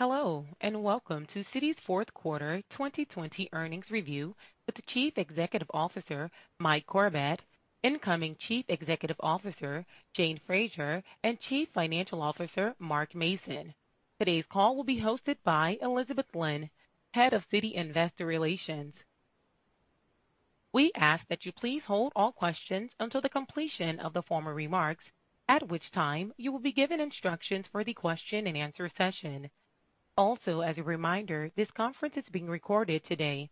Hello, welcome to Citi's Fourth Quarter 2020 Earnings Review with the Chief Executive Officer, Mike Corbat, incoming Chief Executive Officer, Jane Fraser, and Chief Financial Officer, Mark Mason. Today's call will be hosted by Elizabeth Lynn, Head of Citi Investor Relations. We ask that you please hold all questions until the completion of the formal remarks, at which time you will be given instructions for the question and answer session. As a reminder, this conference is being recorded today.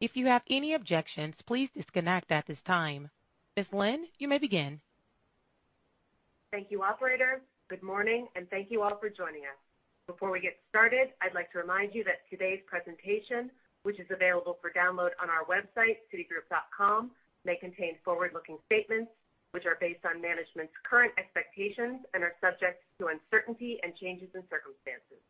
If you have any objections, please disconnect at this time. Ms. Lynn, you may begin. Thank you, operator. Good morning, and thank you all for joining us. Before we get started, I'd like to remind you that today's presentation, which is available for download on our website, citigroup.com, may contain forward-looking statements which are based on management's current expectations and are subject to uncertainty and changes in circumstances.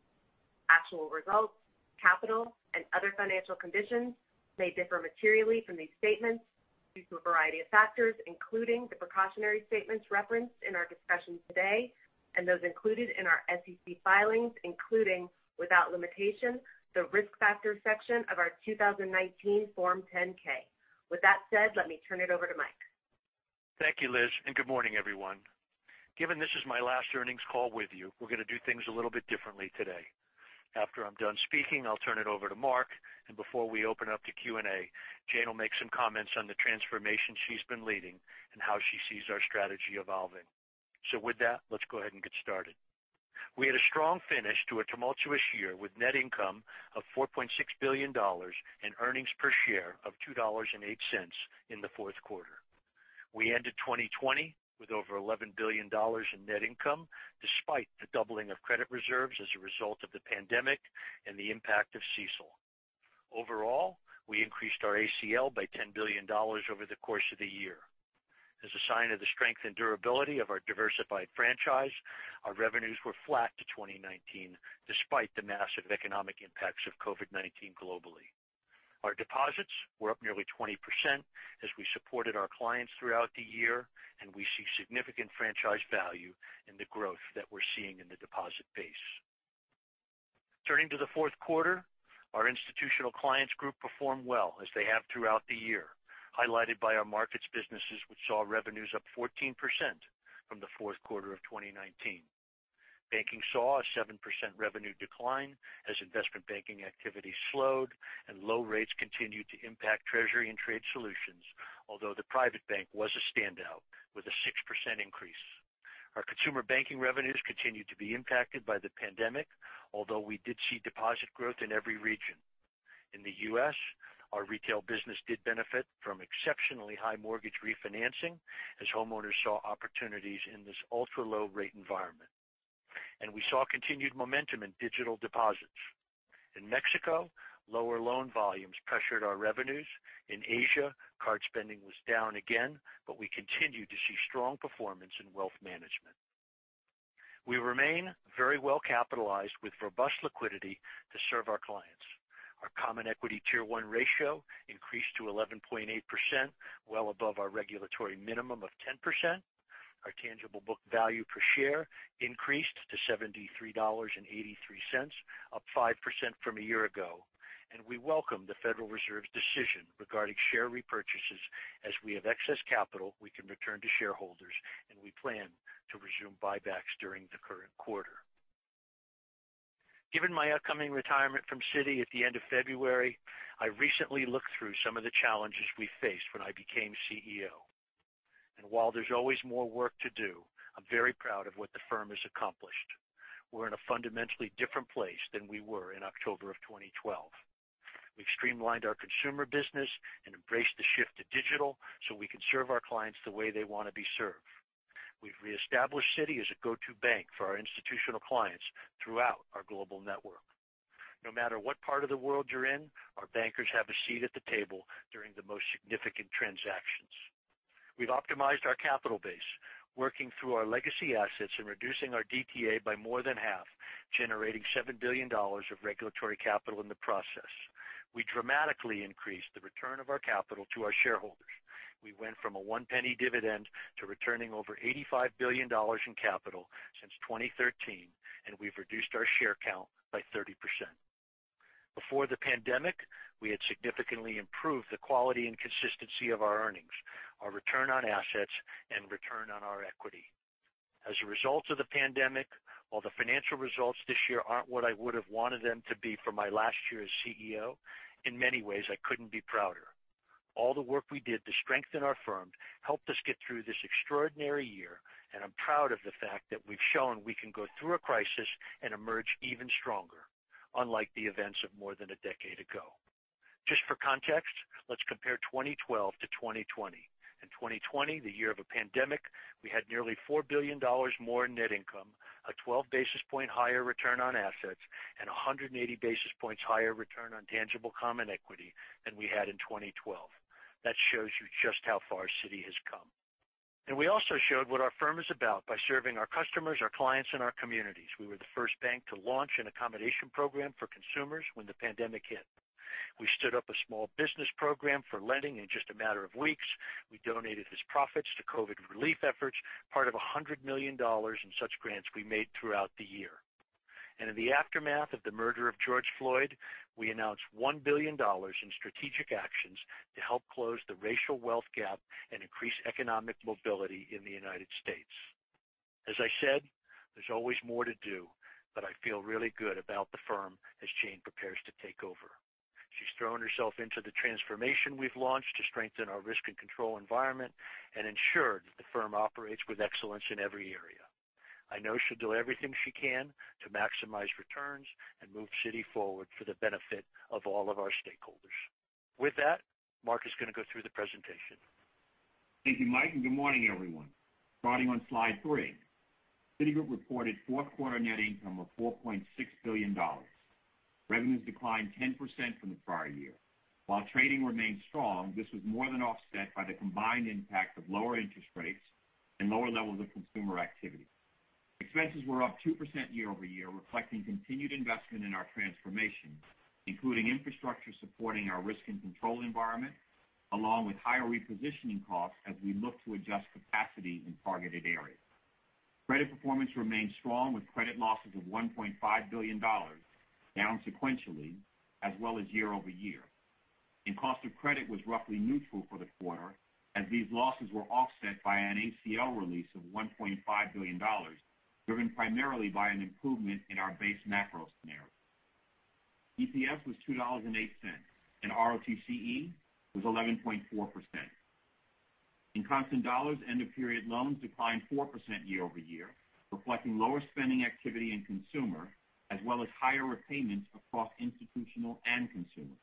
Actual results, capital, and other financial conditions may differ materially from these statements due to a variety of factors, including the precautionary statements referenced in our discussions today and those included in our SEC filings, including, without limitation, the Risk Factors section of our 2019 Form 10-K. With that said, let me turn it over to Mike. Thank you, Liz. Good morning, everyone. Given this is my last earnings call with you, we're going to do things a little bit differently today. After I'm done speaking, I'll turn it over to Mark, and before we open up to Q&A, Jane will make some comments on the transformation she's been leading and how she sees our strategy evolving. With that, let's go ahead and get started. We had a strong finish to a tumultuous year, with net income of $4.6 billion and earnings per share of $2.08 in the fourth quarter. We ended 2020 with over $11 billion in net income, despite the doubling of credit reserves as a result of the pandemic and the impact of CECL. Overall, we increased our ACL by $10 billion over the course of the year. As a sign of the strength and durability of our diversified franchise, our revenues were flat to 2019, despite the massive economic impacts of COVID-19 globally. Our deposits were up nearly 20% as we supported our clients throughout the year, and we see significant franchise value in the growth that we're seeing in the deposit base. Turning to the fourth quarter, our Institutional Clients Group performed well, as they have throughout the year, highlighted by our markets businesses, which saw revenues up 14% from the fourth quarter of 2019. Banking saw a 7% revenue decline as investment banking activity slowed and low rates continued to impact Treasury and Trade Solutions. Although the Private Bank was a standout with a 6% increase. Our consumer banking revenues continued to be impacted by the pandemic, although we did see deposit growth in every region. In the U.S., our retail business did benefit from exceptionally high mortgage refinancing as homeowners saw opportunities in this ultra-low-rate environment. We saw continued momentum in digital deposits. In Mexico, lower loan volumes pressured our revenues. In Asia, card spending was down again, but we continued to see strong performance in wealth management. We remain very well-capitalized with robust liquidity to serve our clients. Our common equity tier 1 ratio increased to 11.8%, well above our regulatory minimum of 10%. Our tangible book value per share increased to $73.83, up 5% from a year ago. We welcome the Federal Reserve's decision regarding share repurchases, as we have excess capital we can return to shareholders, and we plan to resume buybacks during the current quarter. Given my upcoming retirement from Citi at the end of February, I recently looked through some of the challenges we faced when I became CEO. While there's always more work to do, I'm very proud of what the firm has accomplished. We're in a fundamentally different place than we were in October of 2012. We've streamlined our consumer business and embraced the shift to digital so we can serve our clients the way they want to be served. We've reestablished Citi as a go-to bank for our Institutional Clients throughout our global network. No matter what part of the world you're in, our bankers have a seat at the table during the most significant transactions. We've optimized our capital base, working through our legacy assets and reducing our DTA by more than half, generating $7 billion of regulatory capital in the process. We dramatically increased the return of our capital to our shareholders. We went from a $0.01 dividend to returning over $85 billion in capital since 2013, and we've reduced our share count by 30%. Before the pandemic, we had significantly improved the quality and consistency of our earnings, our return on assets, and return on our equity. As a result of the pandemic, while the financial results this year aren't what I would have wanted them to be for my last year as CEO, in many ways, I couldn't be prouder. All the work we did to strengthen our firm helped us get through this extraordinary year, and I'm proud of the fact that we've shown we can go through a crisis and emerge even stronger, unlike the events of more than a decade ago. Just for context, let's compare 2012 to 2020. In 2020, the year of a pandemic, we had nearly $4 billion more in net income, a 12 basis points higher return on assets, and 180 basis points higher return on tangible common equity than we had in 2012. That shows you just how far Citi has come. We also showed what our firm is about by serving our customers, our clients, and our communities. We were the first bank to launch an accommodation program for consumers when the pandemic hit. We stood up a small business program for lending in just a matter of weeks. We donated its profits to COVID relief efforts, part of $100 million in such grants we made throughout the year. In the aftermath of the murder of George Floyd, we announced $1 billion in strategic actions to help close the racial wealth gap and increase economic mobility in the United States. As I said, there's always more to do, but I feel really good about the firm as Jane prepares to take over. She's thrown herself into the transformation we've launched to strengthen our risk and control environment and ensured that the firm operates with excellence in every area. I know she'll do everything she can to maximize returns and move Citi forward for the benefit of all of our stakeholders. With that, Mark is going to go through the presentation. Thank you, Mike, good morning, everyone. Starting on slide three, Citigroup reported fourth quarter net income of $4.6 billion. Revenues declined 10% from the prior year. While trading remained strong, this was more than offset by the combined impact of lower interest rates and lower levels of consumer activity. Expenses were up 2% year-over-year, reflecting continued investment in our transformation, including infrastructure supporting our risk and control environment, along with higher repositioning costs as we look to adjust capacity in targeted areas. Credit performance remained strong, with credit losses of $1.5 billion, down sequentially as well as year-over-year. Cost of credit was roughly neutral for the quarter as these losses were offset by an ACL release of $1.5 billion, driven primarily by an improvement in our base macro scenario. EPS was $2.08, and ROTCE was 11.4%. In constant dollars, end-of-period loans declined 4% year-over-year, reflecting lower spending activity in Consumer, as well as higher repayments across Institutional and Consumer.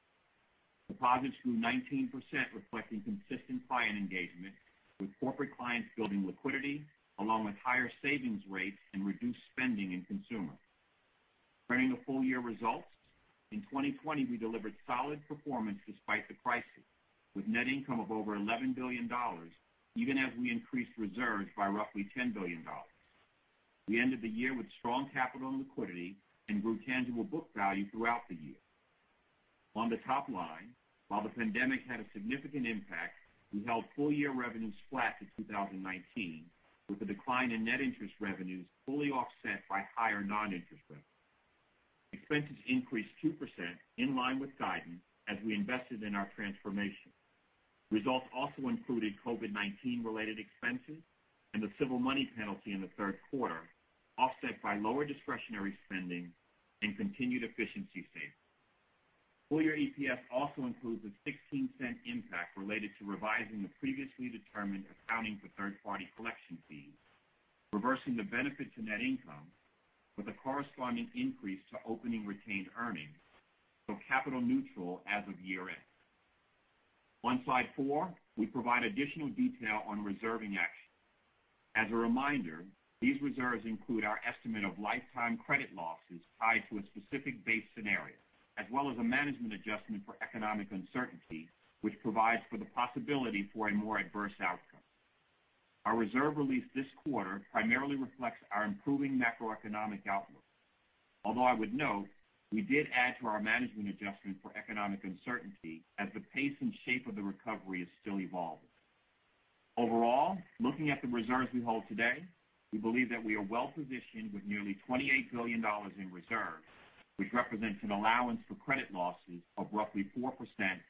Deposits grew 19%, reflecting consistent client engagement, with corporate clients building liquidity, along with higher savings rates and reduced spending in Consumer. Turning to full-year results, in 2020, we delivered solid performance despite the crisis, with net income of over $11 billion, even as we increased reserves by roughly $10 billion. We ended the year with strong capital and liquidity and grew tangible book value throughout the year. On the top line, while the pandemic had a significant impact, we held full-year revenues flat to 2019, with the decline in net interest revenues fully offset by higher non-interest revenues. Expenses increased 2%, in line with guidance, as we invested in our transformation. Results also included COVID-19 related expenses and the civil money penalty in the third quarter, offset by lower discretionary spending and continued efficiency savings. Full-year EPS also includes a $0.16 impact related to revising the previously determined accounting for third-party collection fees, reversing the benefit to net income with a corresponding increase to opening retained earnings, so capital neutral as of year-end. On slide four, we provide additional detail on reserving actions. As a reminder, these reserves include our estimate of lifetime credit losses tied to a specific base scenario, as well as a management adjustment for economic uncertainty, which provides for the possibility for a more adverse outcome. Our reserve release this quarter primarily reflects our improving macroeconomic outlook. Although I would note, we did add to our management adjustment for economic uncertainty as the pace and shape of the recovery is still evolving. Overall, looking at the reserves we hold today, we believe that we are well-positioned with nearly $28 billion in reserves, which represents an allowance for credit losses of roughly 4%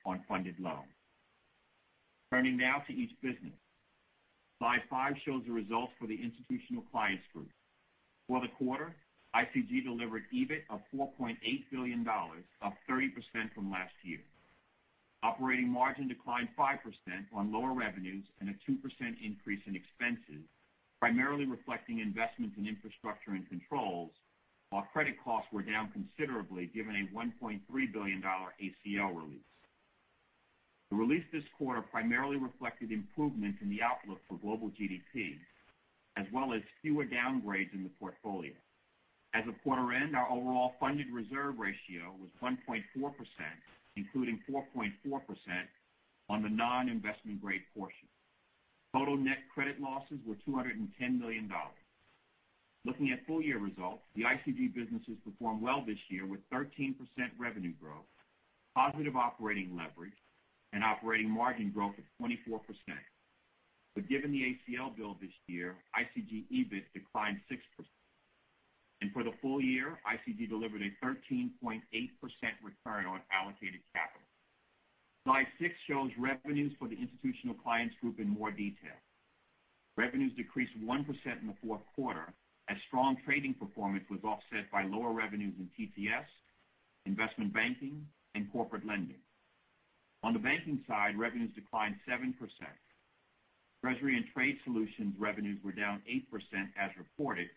on funded loans. Turning now to each business. Slide five shows the results for the Institutional Clients Group. For the quarter, ICG delivered EBIT of $4.8 billion, up 30% from last year. Operating margin declined 5% on lower revenues and a 2% increase in expenses, primarily reflecting investments in infrastructure and controls, while credit costs were down considerably, given a $1.3 billion ACL release. The release this quarter primarily reflected improvement in the outlook for global GDP, as well as fewer downgrades in the portfolio. At the quarter end, our overall funded reserve ratio was 1.4%, including 4.4% on the non-investment grade portion. Total net credit losses were $210 million. Looking at full-year results, the ICG businesses performed well this year with 13% revenue growth, positive operating leverage, and operating margin growth of 24%. Given the ACL build this year, ICG EBIT declined 6%. For the full year, ICG delivered a 13.8% return on allocated capital. Slide six shows revenues for the Institutional Clients Group in more detail. Revenues decreased 1% in the fourth quarter, as strong trading performance was offset by lower revenues in TTS, investment banking, and corporate lending. On the Banking side, revenues declined 7%. Treasury and Trade Solutions revenues were down 8% as reported,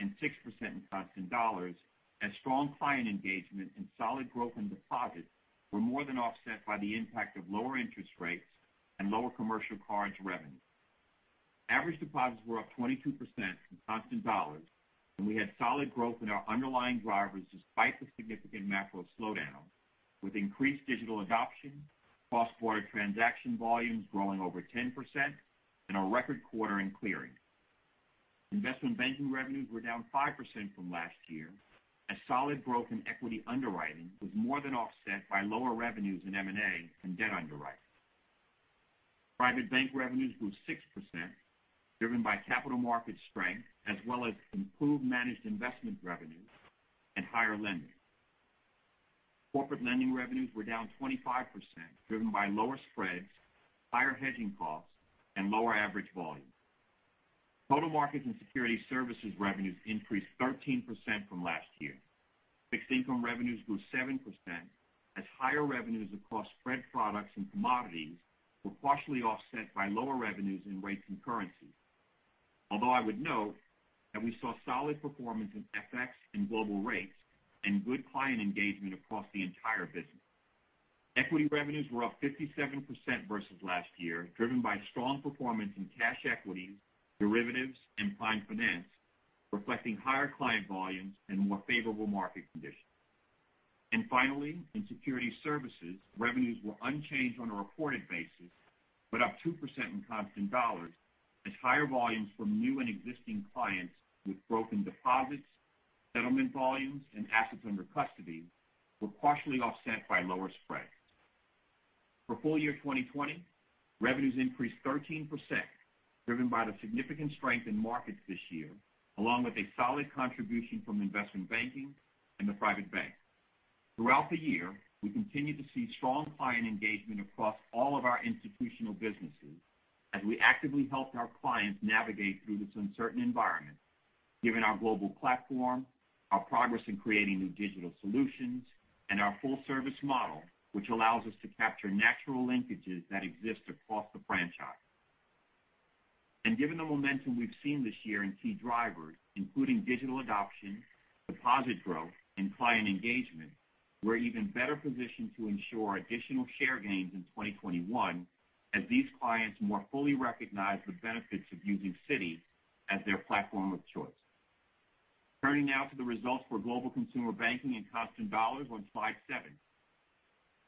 and 6% in constant dollars, as strong client engagement and solid growth in deposits were more than offset by the impact of lower interest rates and lower commercial cards revenue. Average deposits were up 22% in constant dollars, and we had solid growth in our underlying drivers despite the significant macro slowdown, with increased digital adoption, cross-border transaction volumes growing over 10%, and a record quarter in clearing. Investment banking revenues were down 5% from last year. A solid growth in equity underwriting was more than offset by lower revenues in M&A and debt underwriting. Private Bank revenues grew 6%, driven by capital market strength, as well as improved managed investment revenues and higher lending. Corporate Lending revenues were down 25%, driven by lower spreads, higher hedging costs, and lower average volume. Total Markets and Securities Services revenues increased 13% from last year. Fixed Income revenues grew 7%, as higher revenues across spread products and commodities were partially offset by lower revenues in rates and currencies. I would note that we saw solid performance in FX and global rates and good client engagement across the entire business. Equity revenues were up 57% versus last year, driven by strong performance in cash equities, derivatives, and client finance, reflecting higher client volumes and more favorable market conditions. Finally, in Securities Services, revenues were unchanged on a reported basis, but up 2% in constant dollars as higher volumes from new and existing clients with growth in deposits, settlement volumes, and assets under custody were partially offset by lower spreads. For full year 2020, revenues increased 13%, driven by the significant strength in markets this year, along with a solid contribution from investment banking and the private bank. Throughout the year, we continued to see strong client engagement across all of our institutional businesses as we actively helped our clients navigate through this uncertain environment, given our global platform, our progress in creating new digital solutions, and our full service model, which allows us to capture natural linkages that exist across the franchise. Given the momentum we've seen this year in key drivers, including digital adoption, deposit growth, and client engagement, we're even better positioned to ensure additional share gains in 2021, as these clients more fully recognize the benefits of using Citi as their platform of choice. Turning now to the results for Global Consumer Banking in constant dollars on slide seven.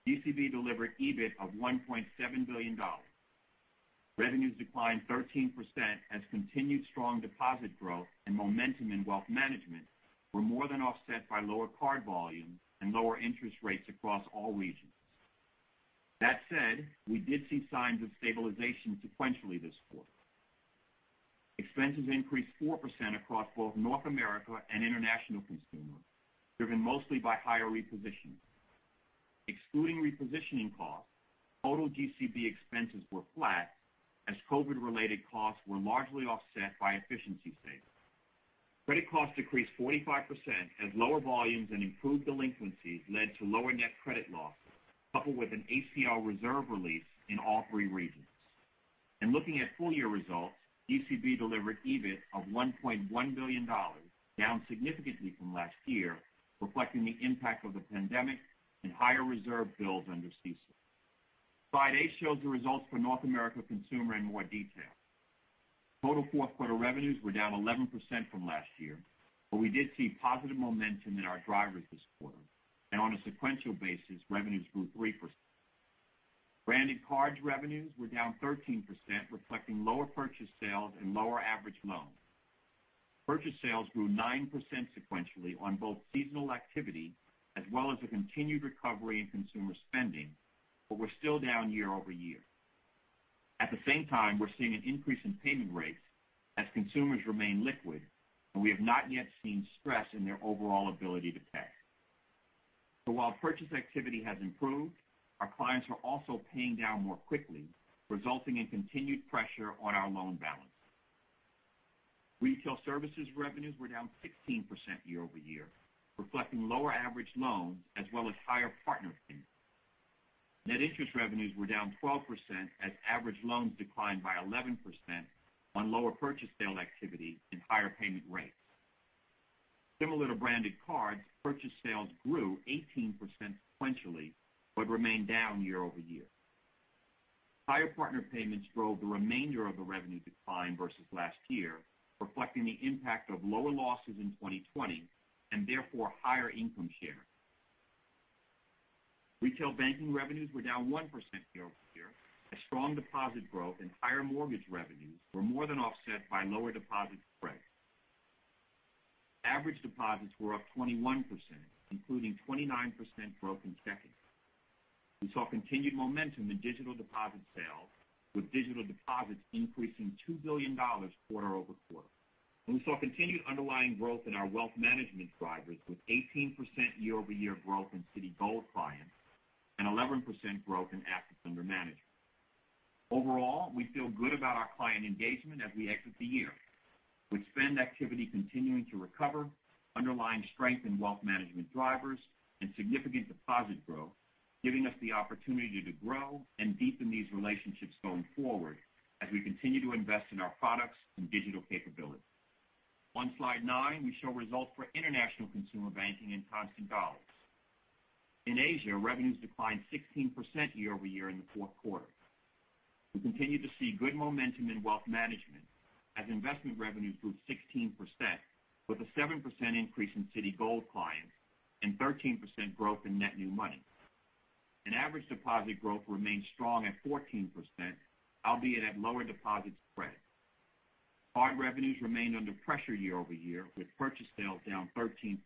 GCB delivered EBIT of $1.7 billion. Revenues declined 13% as continued strong deposit growth and momentum in wealth management were more than offset by lower card volume and lower interest rates across all regions. That said, we did see signs of stabilization sequentially this quarter. Expenses increased 4% across both North America Consumer and International Consumer, driven mostly by higher repositioning. Excluding repositioning costs, total GCB expenses were flat as COVID-related costs were largely offset by efficiency savings. Credit costs decreased 45% as lower volumes and improved delinquencies led to lower net credit losses, coupled with an ACL reserve release in all three regions. In looking at full-year results, GCB delivered EBIT of $1.1 billion, down significantly from last year, reflecting the impact of the pandemic and higher reserve builds under CECL. Slide eight shows the results for North America Consumer in more detail. Total fourth quarter revenues were down 11% from last year, but we did see positive momentum in our drivers this quarter, and on a sequential basis, revenues grew 3%. Branded cards revenues were down 13%, reflecting lower purchase sales and lower average loans. Purchase sales grew 9% sequentially on both seasonal activity as well as a continued recovery in consumer spending, but we're still down year-over-year. At the same time, we're seeing an increase in payment rates as consumers remain liquid, and we have not yet seen stress in their overall ability to pay. While purchase activity has improved, our clients are also paying down more quickly, resulting in continued pressure on our loan balance. Retail services revenues were down 16% year-over-year, reflecting lower average loans as well as higher partner payments. Net interest revenues were down 12% as average loans declined by 11% on lower purchase sale activity and higher payment rates. Similar to branded cards, purchase sales grew 18% sequentially, but remained down year-over-year. Higher partner payments drove the remainder of the revenue decline versus last year, reflecting the impact of lower losses in 2020, and therefore, higher income share. Retail banking revenues were down 1% year-over-year, as strong deposit growth and higher mortgage revenues were more than offset by lower deposit spreads. Average deposits were up 21%, including 29% growth in checking. We saw continued momentum in digital deposit sales, with digital deposits increasing $2 billion quarter-over-quarter. We saw continued underlying growth in our wealth management drivers, with 18% year-over-year growth in Citigold clients and 11% growth in assets under management. Overall, we feel good about our client engagement as we exit the year, with spend activity continuing to recover, underlying strength in wealth management drivers, and significant deposit growth, giving us the opportunity to grow and deepen these relationships going forward as we continue to invest in our products and digital capabilities. On slide nine, we show results for International Consumer Banking in constant dollars. In Asia, revenues declined 16% year-over-year in the fourth quarter. We continue to see good momentum in wealth management as investment revenues grew 16%, with a 7% increase in Citigold clients and 13% growth in net new money. And average deposit growth remains strong at 14%, albeit at lower deposit spreads. Card revenues remained under pressure year-over-year, with purchase sales down 13%,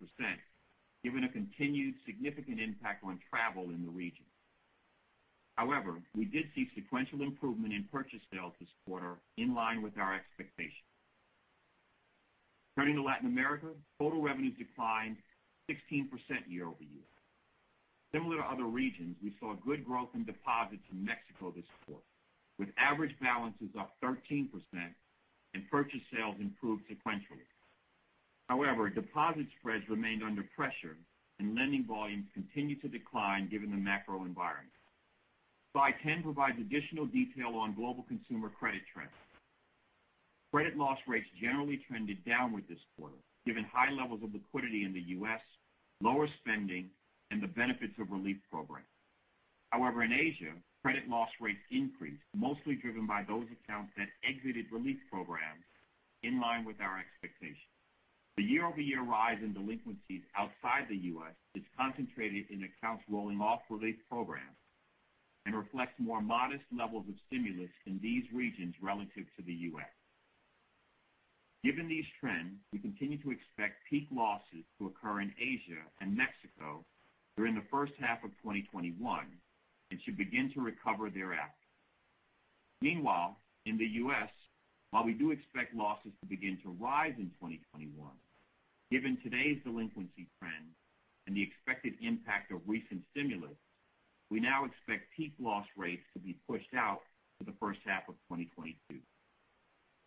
given a continued significant impact on travel in the region. We did see sequential improvement in purchase sales this quarter, in line with our expectations. Turning to Latin America, total revenues declined 16% year-over-year. Similar to other regions, we saw good growth in deposits in Mexico this quarter, with average balances up 13% and purchase sales improved sequentially. Deposit spreads remained under pressure and lending volumes continued to decline given the macro environment. Slide 10 provides additional detail on global consumer credit trends. Credit loss rates generally trended downward this quarter, given high levels of liquidity in the U.S., lower spending, and the benefits of relief programs. In Asia, credit loss rates increased, mostly driven by those accounts that exited relief programs in line with our expectations. The year-over-year rise in delinquencies outside the U.S. is concentrated in accounts rolling off relief programs and reflects more modest levels of stimulus in these regions relative to the U.S. Given these trends, we continue to expect peak losses to occur in Asia and Mexico during the first half of 2021 and should begin to recover thereafter. Meanwhile, in the U.S., while we do expect losses to begin to rise in 2021, given today's delinquency trends and the expected impact of recent stimulus, we now expect peak loss rates to be pushed out to the first half of 2022.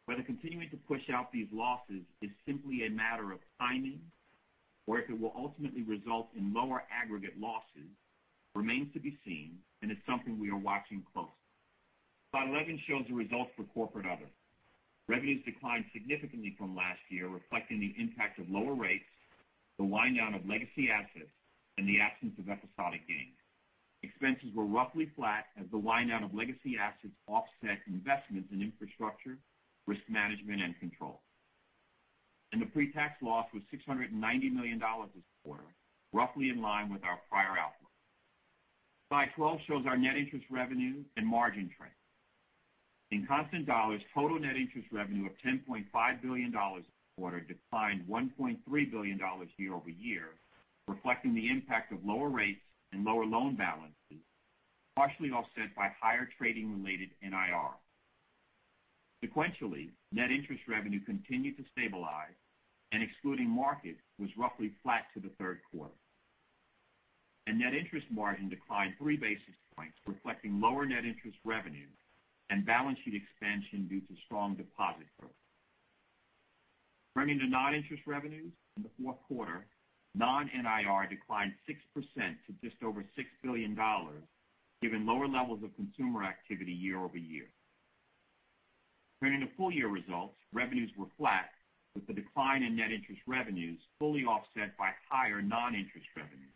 Whether continuing to push out these losses is simply a matter of timing or if it will ultimately result in lower aggregate losses remains to be seen and is something we are watching closely. Slide 11 shows the results for Corporate Other. Revenues declined significantly from last year, reflecting the impact of lower rates, the wind down of legacy assets, and the absence of episodic gains. Expenses were roughly flat as the wind down of legacy assets offset investments in infrastructure, risk management, and control. The pre-tax loss was $690 million this quarter, roughly in line with our prior outlook. Slide 12 shows our net interest revenue and margin trends. In constant dollars, total net interest revenue of $10.5 billion this quarter declined $1.3 billion year-over-year, reflecting the impact of lower rates and lower loan balances, partially offset by higher trading-related NIR. Sequentially, net interest revenue continued to stabilize, and excluding markets, was roughly flat to the third quarter. Net interest margin declined three basis points, reflecting lower net interest revenue and balance sheet expansion due to strong deposit growth. Turning to non-interest revenues in the fourth quarter, non-NIR declined 6% to just over $6 billion, given lower levels of consumer activity year-over-year. Turning to full-year results, revenues were flat with the decline in net interest revenues fully offset by higher non-interest revenues,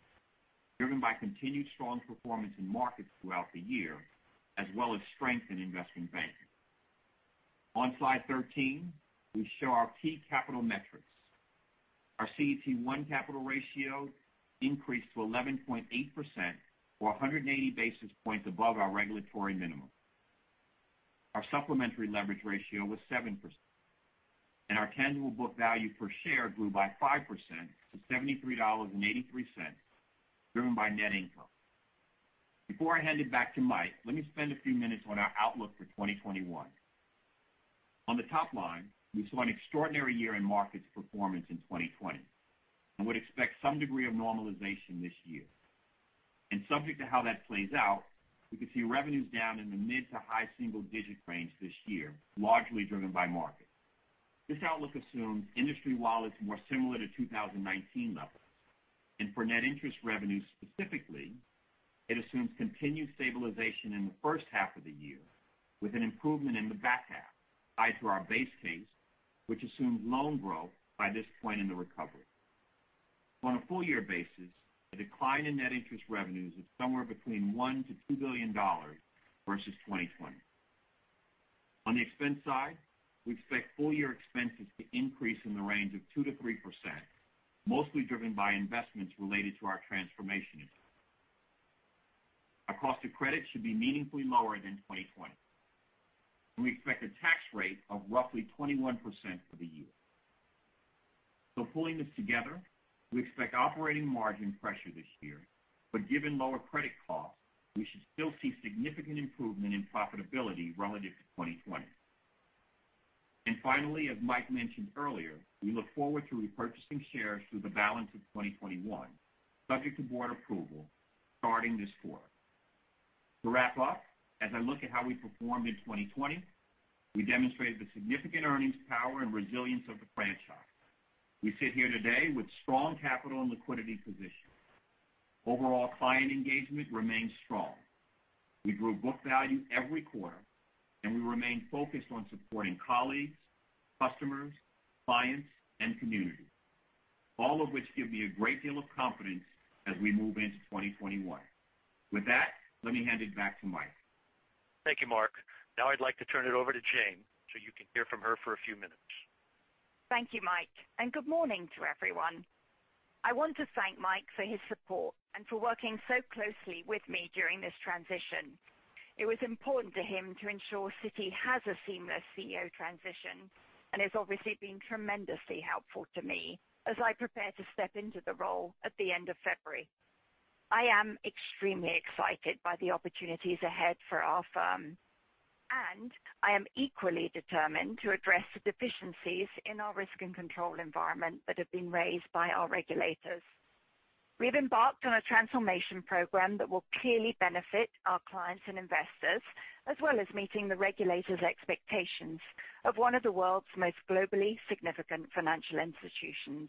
driven by continued strong performance in markets throughout the year, as well as strength in investment banking. On slide 13, we show our key capital metrics. Our CET1 capital ratio increased to 11.8%, or 180 basis points above our regulatory minimum. Our supplementary leverage ratio was 7%. Our tangible book value per share grew by 5% to $73.83, driven by net income. Before I hand it back to Mike, let me spend a few minutes on our outlook for 2021. On the top line, we saw an extraordinary year in markets performance in 2020 and would expect some degree of normalization this year. Subject to how that plays out, we could see revenues down in the mid-to-high single-digit range this year, largely driven by markets. This outlook assumes industry wallets more similar to 2019 levels. For net interest revenue specifically, it assumes continued stabilization in the first half of the year with an improvement in the back half tied to our base case, which assumes loan growth by this point in the recovery. On a full-year basis, a decline in net interest revenues of somewhere between $1 billion-$2 billion versus 2020. On the expense side, we expect full-year expenses to increase in the range of 2%-3%, mostly driven by investments related to our transformation efforts. Our cost of credit should be meaningfully lower than 2020. We expect a tax rate of roughly 21% for the year. Pulling this together, we expect operating margin pressure this year, but given lower credit costs, we should still see significant improvement in profitability relative to 2020. Finally, as Mike mentioned earlier, we look forward to repurchasing shares through the balance of 2021, subject to board approval, starting this quarter. To wrap up, as I look at how we performed in 2020, we demonstrated the significant earnings power and resilience of the franchise. We sit here today with strong capital and liquidity position. Overall client engagement remains strong. We grew book value every quarter, and we remain focused on supporting colleagues, customers, clients, and communities, all of which give me a great deal of confidence as we move into 2021. With that, let me hand it back to Mike. Thank you, Mark. Now I'd like to turn it over to Jane so you can hear from her for a few minutes. Thank you, Mike, and good morning to everyone. I want to thank Mike for his support and for working so closely with me during this transition. It was important to him to ensure Citi has a seamless CEO transition, and has obviously been tremendously helpful to me as I prepare to step into the role at the end of February. I am extremely excited by the opportunities ahead for our firm, I am equally determined to address the deficiencies in our risk and control environment that have been raised by our regulators. We've embarked on a transformation program that will clearly benefit our clients and investors, as well as meeting the regulators' expectations of one of the world's most globally significant financial institutions.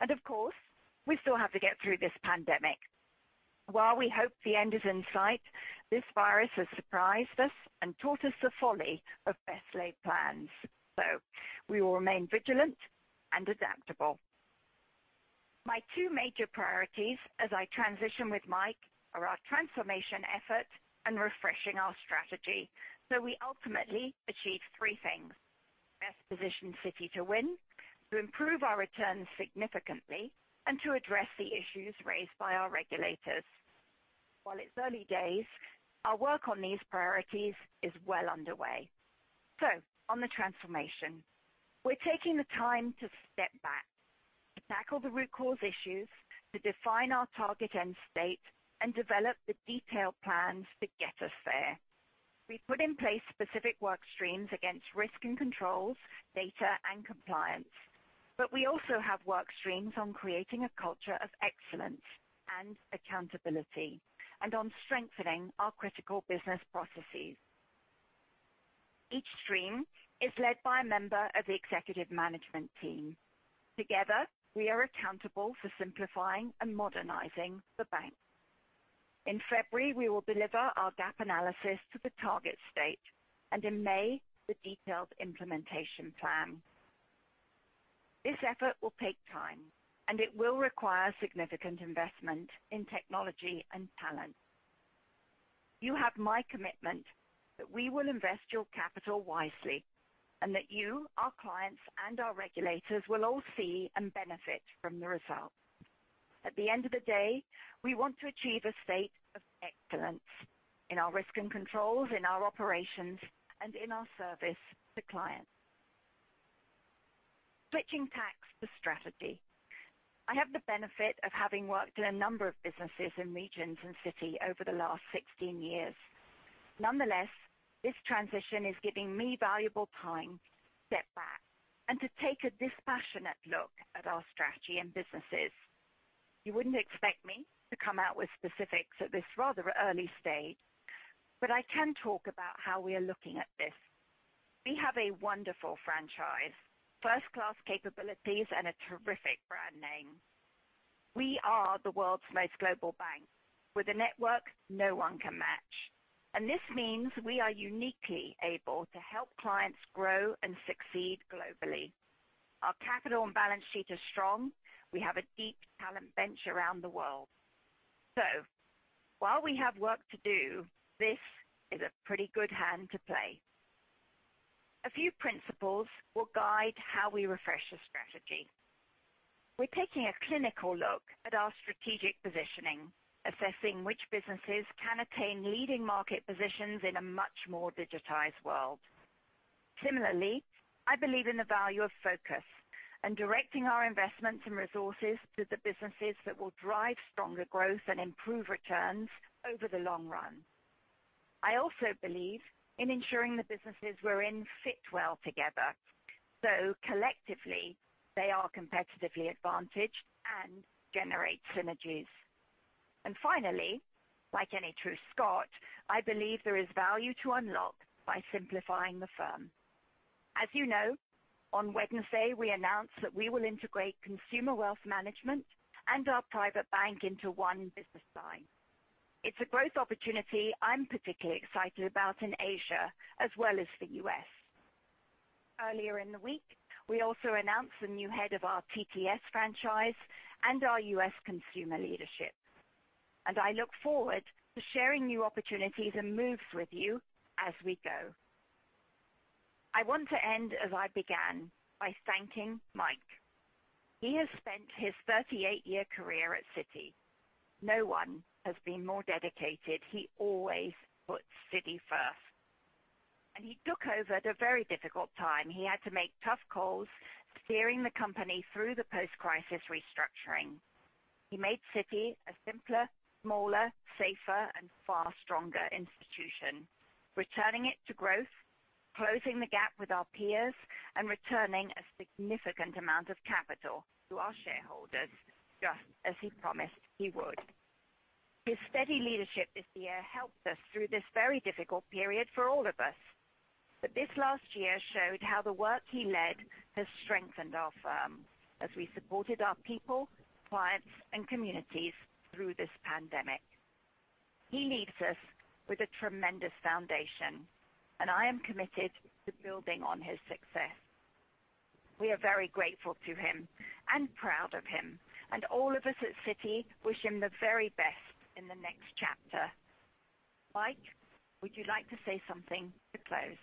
Of course, we still have to get through this pandemic. While we hope the end is in sight, this virus has surprised us and taught us the folly of best-laid plans. We will remain vigilant and adaptable. My two major priorities as I transition with Mike are our transformation effort and refreshing our strategy. We ultimately achieve three things: best position Citi to win, to improve our returns significantly, and to address the issues raised by our regulators. While it's early days, our work on these priorities is well underway. On the transformation, we're taking the time to step back, to tackle the root cause issues, to define our target end state, and develop the detailed plans to get us there. We've put in place specific workstreams against risk and controls, data, and compliance, but we also have workstreams on creating a culture of excellence and accountability, and on strengthening our critical business processes. Each stream is led by a member of the executive management team. Together, we are accountable for simplifying and modernizing the bank. In February, we will deliver our gap analysis to the target state, and in May, the detailed implementation plan. This effort will take time, and it will require significant investment in technology and talent. You have my commitment that we will invest your capital wisely, and that you, our clients, and our regulators will all see and benefit from the results. At the end of the day, we want to achieve a state of excellence in our risk and controls, in our operations, and in our service to clients. Switching tacks to strategy. I have the benefit of having worked in a number of businesses and regions in Citi over the last 16 years. Nonetheless, this transition is giving me valuable time to step back and to take a dispassionate look at our strategy and businesses. You wouldn't expect me to come out with specifics at this rather early stage, but I can talk about how we are looking at this. We have a wonderful franchise, first-class capabilities, and a terrific brand name. We are the world's most global bank with a network no one can match. This means we are uniquely able to help clients grow and succeed globally. Our capital and balance sheet are strong. We have a deep talent bench around the world. While we have work to do, this is a pretty good hand to play. A few principles will guide how we refresh the strategy. We're taking a clinical look at our strategic positioning, assessing which businesses can attain leading market positions in a much more digitized world. Similarly, I believe in the value of focus and directing our investments and resources to the businesses that will drive stronger growth and improve returns over the long run. I also believe in ensuring the businesses we're in fit well together. Collectively, they are competitively advantaged and generate synergies. Finally, like any true Scot, I believe there is value to unlock by simplifying the firm. As you know, on Wednesday, we announced that we will integrate Consumer Wealth Management and our Private Bank into one business line. It's a growth opportunity I'm particularly excited about in Asia as well as the U.S. Earlier in the week, we also announced the new head of our TTS franchise and our U.S. consumer leadership. I look forward to sharing new opportunities and moves with you as we go. I want to end as I began by thanking Mike. He has spent his 38-year career at Citi. No one has been more dedicated. He always puts Citi first. He took over at a very difficult time. He had to make tough calls steering the company through the post-crisis restructuring. He made Citi a simpler, smaller, safer, and far stronger institution, returning it to growth, closing the gap with our peers, and returning a significant amount of capital to our shareholders, just as he promised he would. His steady leadership this year helped us through this very difficult period for all of us. This last year showed how the work he led has strengthened our firm as we supported our people, clients, and communities through this pandemic. He leaves us with a tremendous foundation. I am committed to building on his success. We are very grateful to him and proud of him. All of us at Citi wish him the very best in the next chapter. Mike, would you like to say something to close?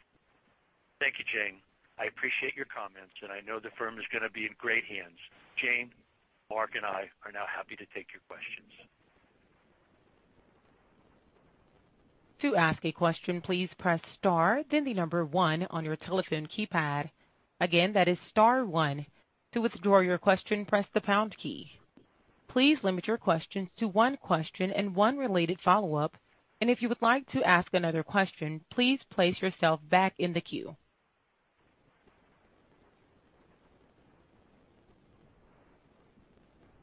Thank you, Jane. I appreciate your comments, and I know the firm is going to be in great hands. Jane, Mark, and I are now happy to take your questions. To ask a question, please press star, then the number one on your telephone keypad. Again, that is star one. To withdraw your question, press the pound key. Please limit your question to one question and one related follow up. And if you would like to ask another question, please place yourself back in the queue.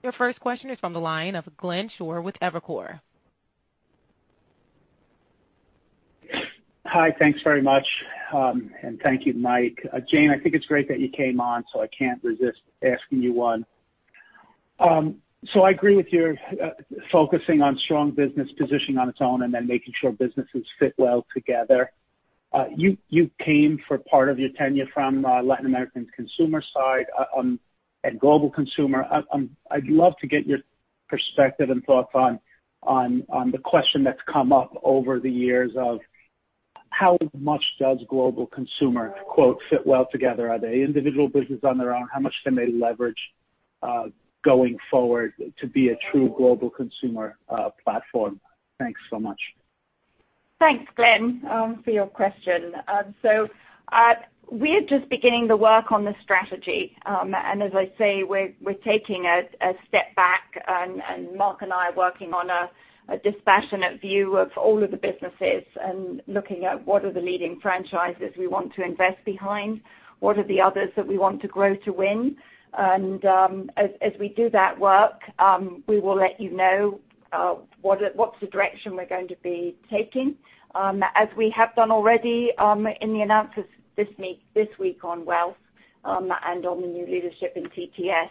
Your first question is from the line of Glenn Schorr with Evercore. Hi. Thanks very much. Thank you, Mike. Jane, I think it's great that you came on, so I can't resist asking you one. I agree with your focusing on strong business position on its own and then making sure businesses fit well together. You came for part of your tenure from Latin American consumer side and global consumer. I'd love to get your perspective and thoughts on the question that's come up over the years of how much does global consumer, quote, "fit well together"? Are they individual businesses on their own? How much can they leverage, going forward to be a true global consumer platform? Thanks so much. Thanks, Glenn, for your question. We're just beginning the work on the strategy. As I say, we're taking a step back, and Mark and I are working on a dispassionate view of all of the businesses and looking at what are the leading franchises we want to invest behind, what are the others that we want to grow to win. As we do that work, we will let you know what's the direction we're going to be taking, as we have done already in the announcements this week on Wealth and on the new leadership in TTS.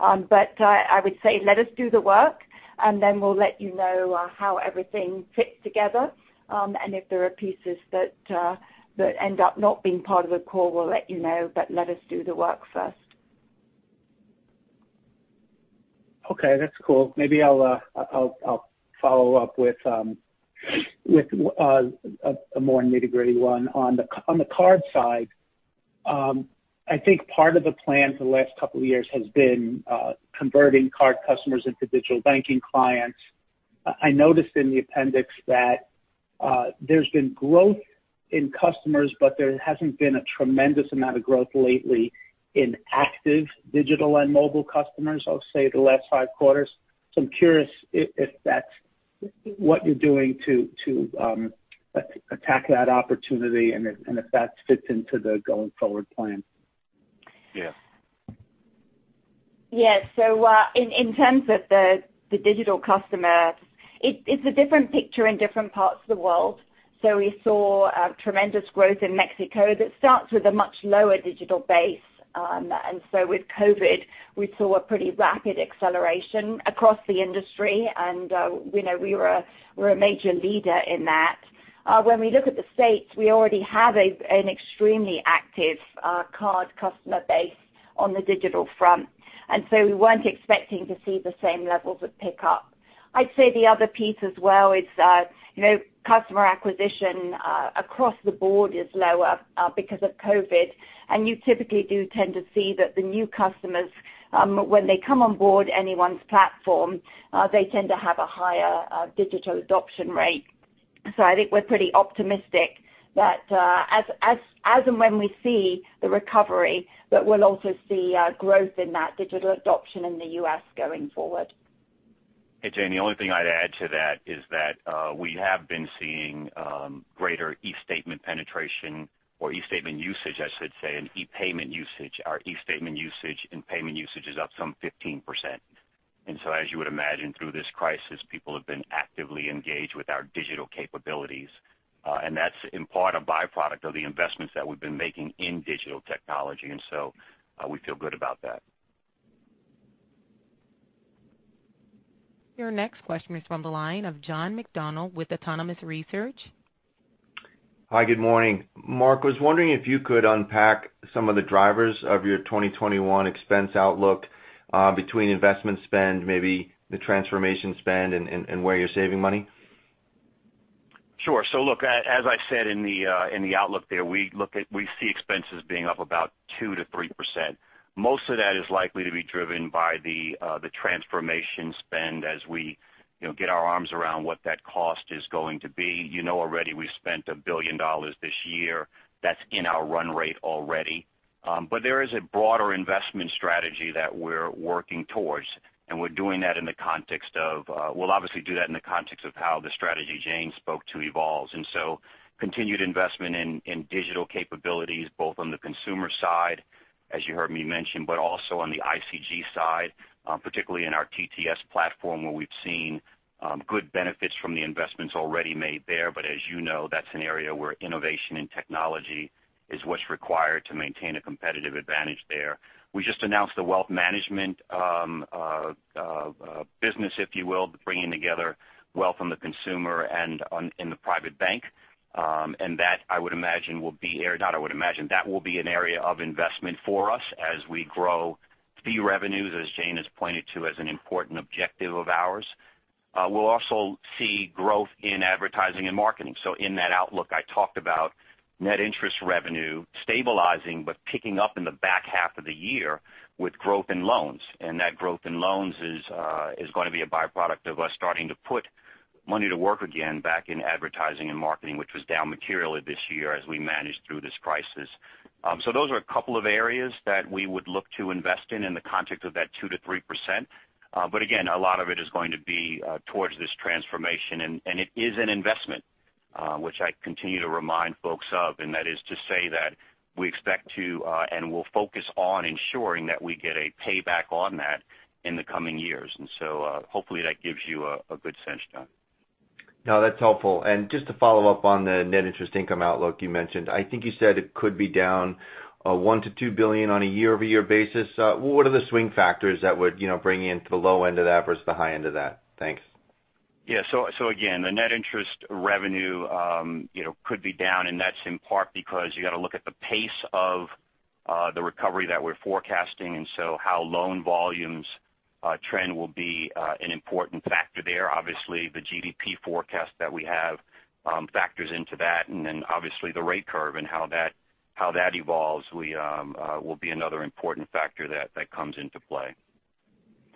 I would say let us do the work, and then we'll let you know how everything fits together. If there are pieces that end up not being part of the core, we'll let you know, but let us do the work first. Okay, that's cool. Maybe I'll follow up with a more nitty-gritty one. On the card side, I think part of the plan for the last couple of years has been converting card customers into digital banking clients. I noticed in the appendix that there's been growth in customers, but there hasn't been a tremendous amount of growth lately in active digital and mobile customers, I'll say the last five quarters. I'm curious if that's what you're doing to attack that opportunity and if that fits into the going forward plan. Yeah. Yes. In terms of the digital customer, it's a different picture in different parts of the world. We saw tremendous growth in Mexico that starts with a much lower digital base. With COVID, we saw a pretty rapid acceleration across the industry, and we're a major leader in that. When we look at the U.S., we already have an extremely active card customer base on the digital front, and so we weren't expecting to see the same levels of pickup. I'd say the other piece as well is customer acquisition across the board is lower because of COVID, and you typically do tend to see that the new customers, when they come on board anyone's platform, they tend to have a higher digital adoption rate. I think we're pretty optimistic that as and when we see the recovery, that we'll also see growth in that digital adoption in the U.S. going forward. Hey, Jane, the only thing I'd add to that is that we have been seeing greater eStatement penetration or eStatement usage, I should say, and ePayment usage. Our eStatement usage and payment usage is up some 15%. As you would imagine, through this crisis, people have been actively engaged with our digital capabilities. That's in part a byproduct of the investments that we've been making in digital technology, and so we feel good about that. Your next question is from the line of John McDonald with Autonomous Research. Hi, good morning. Mark, I was wondering if you could unpack some of the drivers of your 2021 expense outlook between investment spend, maybe the transformation spend, and where you're saving money. Sure. Look, as I said in the outlook there, we see expenses being up about 2%-3%. Most of that is likely to be driven by the transformation spend as we get our arms around what that cost is going to be. You know already we've spent $1 billion this year. That's in our run rate already. There is a broader investment strategy that we're working towards, and we'll obviously do that in the context of how the strategy Jane spoke to evolves. Continued investment in digital capabilities, both on the consumer side, as you heard me mention, but also on the ICG side, particularly in our TTS platform, where we've seen good benefits from the investments already made there. As you know, that's an area where innovation and technology is what's required to maintain a competitive advantage there. We just announced the Wealth Management business, if you will, bringing together wealth on the consumer and in the Private Bank. That I would imagine will be an area of investment for us as we grow fee revenues, as Jane has pointed to as an important objective of ours. We'll also see growth in advertising and marketing. In that outlook, I talked about net interest revenue stabilizing, but picking up in the back half of the year with growth in loans. That growth in loans is going to be a byproduct of us starting to put money to work again back in advertising and marketing, which was down materially this year as we managed through this crisis. Those are a couple of areas that we would look to invest in in the context of that 2%-3%. Again, a lot of it is going to be towards this transformation, and it is an investment, which I continue to remind folks of, and that is to say that we expect to, and will focus on ensuring that we get a payback on that in the coming years. Hopefully, that gives you a good sense, John. No, that's helpful. Just to follow up on the net interest income outlook you mentioned, I think you said it could be down $1 billion-$2 billion on a year-over-year basis. What are the swing factors that would bring into the low end of that versus the high end of that? Thanks. Yeah. Again, the net interest revenue could be down, and that's in part because you got to look at the pace of the recovery that we're forecasting. How loan volumes trend will be an important factor there. Obviously, the GDP forecast that we have factors into that. Obviously, the rate curve and how that evolves will be another important factor that comes into play.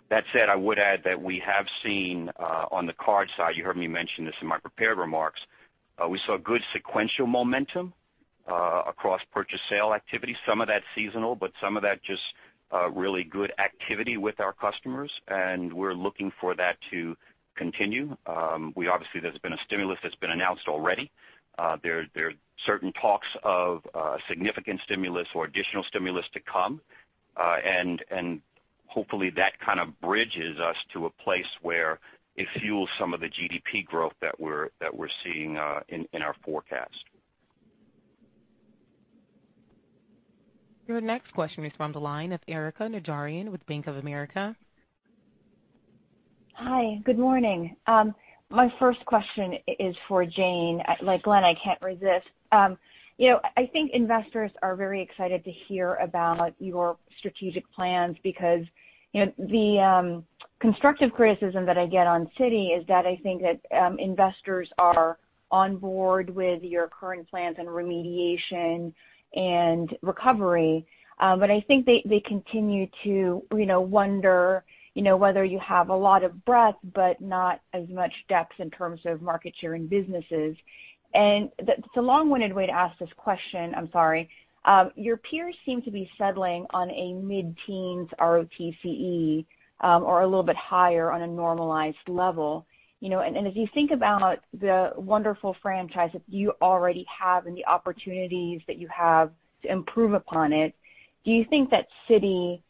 That said, I would add that we have seen, on the card side, you heard me mention this in my prepared remarks, we saw good sequential momentum across purchase sale activity, some of that seasonal, but some of that just really good activity with our customers. We're looking for that to continue. Obviously, there's been a stimulus that's been announced already. There are certain talks of significant stimulus or additional stimulus to come. Hopefully, that kind of bridges us to a place where it fuels some of the GDP growth that we're seeing in our forecast. Your next question is from the line of Erika Najarian with Bank of America. Hi, good morning. My first question is for Jane. Like Glenn, I can't resist. I think investors are very excited to hear about your strategic plans because the constructive criticism that I get on Citi is that I think that investors are on board with your current plans and remediation and recovery. I think they continue to wonder whether you have a lot of breadth, but not as much depth in terms of market share in businesses. It's a long-winded way to ask this question, I'm sorry. As you think about the wonderful franchise that you already have and the opportunities that you have to improve upon it, do you think that Citi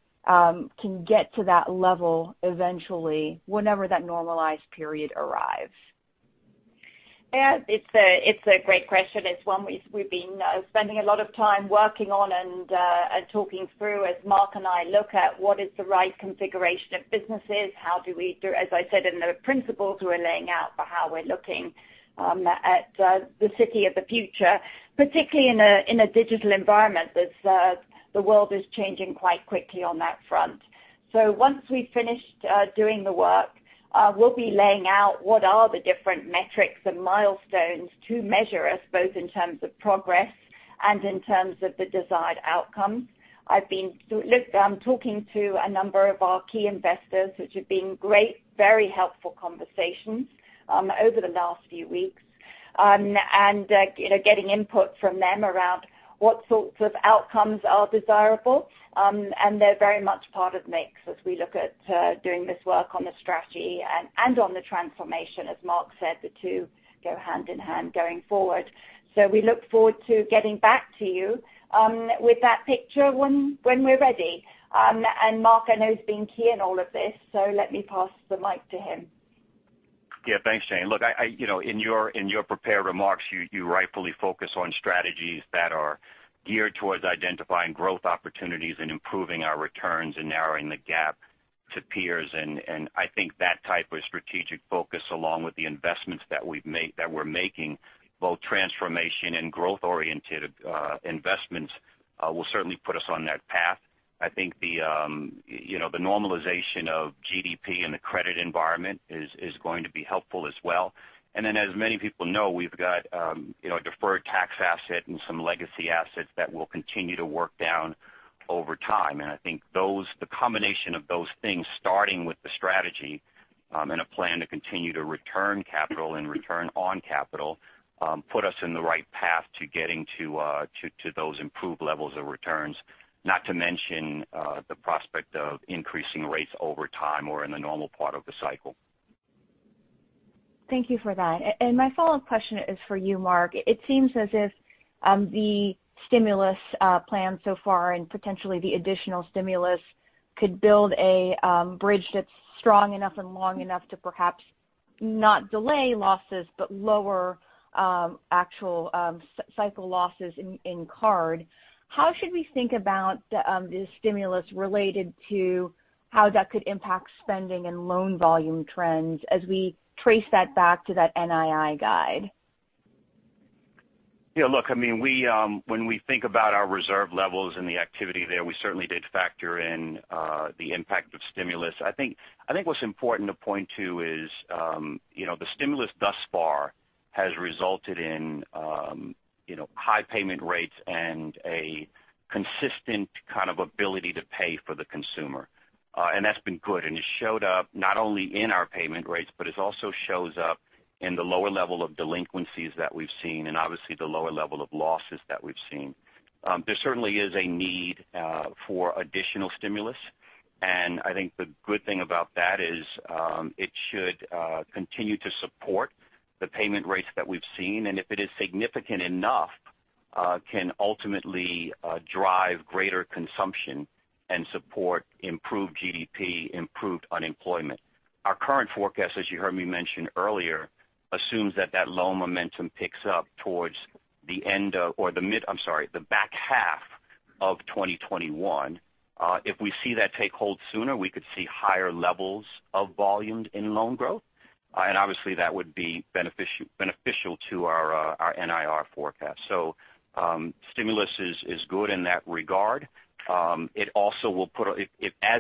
can get to that level eventually, whenever that normalized period arrives? Yeah. It's a great question. It's one we've been spending a lot of time working on and talking through as Mark and I look at what is the right configuration of businesses, how do we do, as I said in the principles we're laying out for how we're looking at the Citi of the future, particularly in a digital environment as the world is changing quite quickly on that front. Once we've finished doing the work, we'll be laying out what are the different metrics and milestones to measure us, both in terms of progress and in terms of the desired outcome. I'm talking to a number of our key investors, which have been great, very helpful conversations over the last few weeks, and getting input from them around what sorts of outcomes are desirable. They're very much part of the mix as we look at doing this work on the strategy and on the transformation. As Mark said, the two go hand in hand going forward. We look forward to getting back to you with that picture when we're ready. Mark, I know, has been key in all of this, so let me pass the mic to him. Yeah. Thanks, Jane. Look, in your prepared remarks, you rightfully focus on strategies that are geared towards identifying growth opportunities and improving our returns and narrowing the gap to peers. I think that type of strategic focus, along with the investments that we're making, both transformation and growth-oriented investments, will certainly put us on that path. I think the normalization of GDP and the credit environment is going to be helpful as well. As many people know, we've got a deferred tax asset and some legacy assets that we'll continue to work down over time. I think the combination of those things, starting with the strategy, and a plan to continue to return capital and return on capital, put us in the right path to getting to those improved levels of returns, not to mention the prospect of increasing rates over time or in the normal part of the cycle. Thank you for that. My follow-up question is for you, Mark. It seems as if the stimulus plan so far and potentially the additional stimulus could build a bridge that's strong enough and long enough to perhaps not delay losses, but lower actual cycle losses in card. How should we think about the stimulus related to how that could impact spending and loan volume trends as we trace that back to that NII guide? Yeah, look, when we think about our reserve levels and the activity there, we certainly did factor in the impact of stimulus. I think what's important to point to is, the stimulus thus far has resulted in high payment rates and a consistent kind of ability to pay for the consumer. That's been good, and it showed up not only in our payment rates, but it also shows up in the lower level of delinquencies that we've seen, and obviously the lower level of losses that we've seen. There certainly is a need for additional stimulus, and I think the good thing about that is, it should continue to support the payment rates that we've seen, and if it is significant enough, can ultimately drive greater consumption and support improved GDP, improved unemployment. Our current forecast, as you heard me mention earlier, assumes that loan momentum picks up towards the back half of 2021. If we see that take hold sooner, we could see higher levels of volume in loan growth. Obviously that would be beneficial to our NIR forecast. Stimulus is good in that regard. As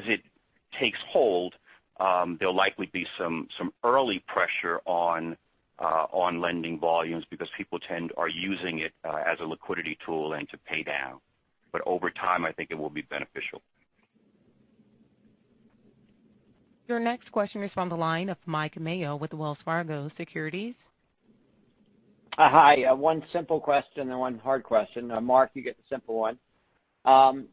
it takes hold, there'll likely be some early pressure on lending volumes because people are using it as a liquidity tool and to pay down. Over time, I think it will be beneficial. Your next question is on the line of Mike Mayo with Wells Fargo Securities. Hi. One simple question and one hard question. Mark, you get the simple one.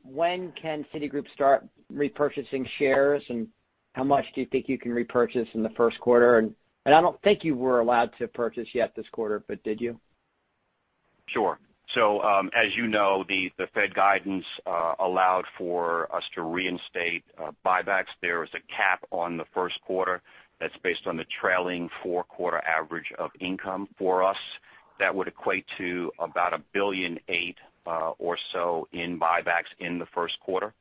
When can Citigroup start repurchasing shares, and how much do you think you can repurchase in the first quarter? I don't think you were allowed to purchase yet this quarter, but did you? Sure. As you know, the Fed guidance allowed for us to reinstate buybacks. There is a cap on the first quarter that's based on the trailing four-quarter average of income for us. That would equate to about $1.8 billion or so in buybacks in the first quarter.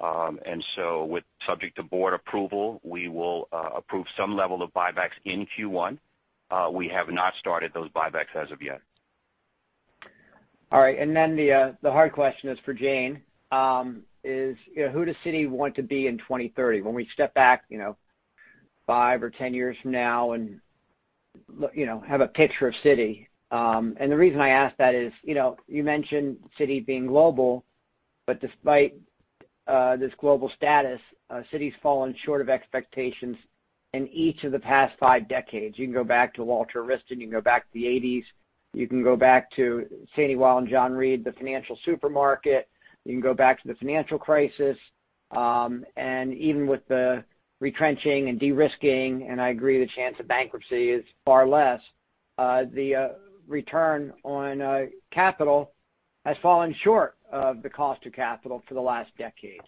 With subject to board approval, we will approve some level of buybacks in Q1. We have not started those buybacks as of yet. All right, the hard question is for Jane. Who does Citi want to be in 2030? When we step back, five or 10 years from now and have a picture of Citi, the reason I ask that is, you mentioned Citi being global, but despite this global status, Citi's fallen short of expectations in each of the past five decades. You can go back to Walter Wriston, you can go back to the 1980s. You can go back to Sandy Weill and John Reed, the financial supermarket. You can go back to the financial crisis. Even with the retrenching and de-risking, and I agree the chance of bankruptcy is far less, the return on capital has fallen short of the cost of capital for the last decade.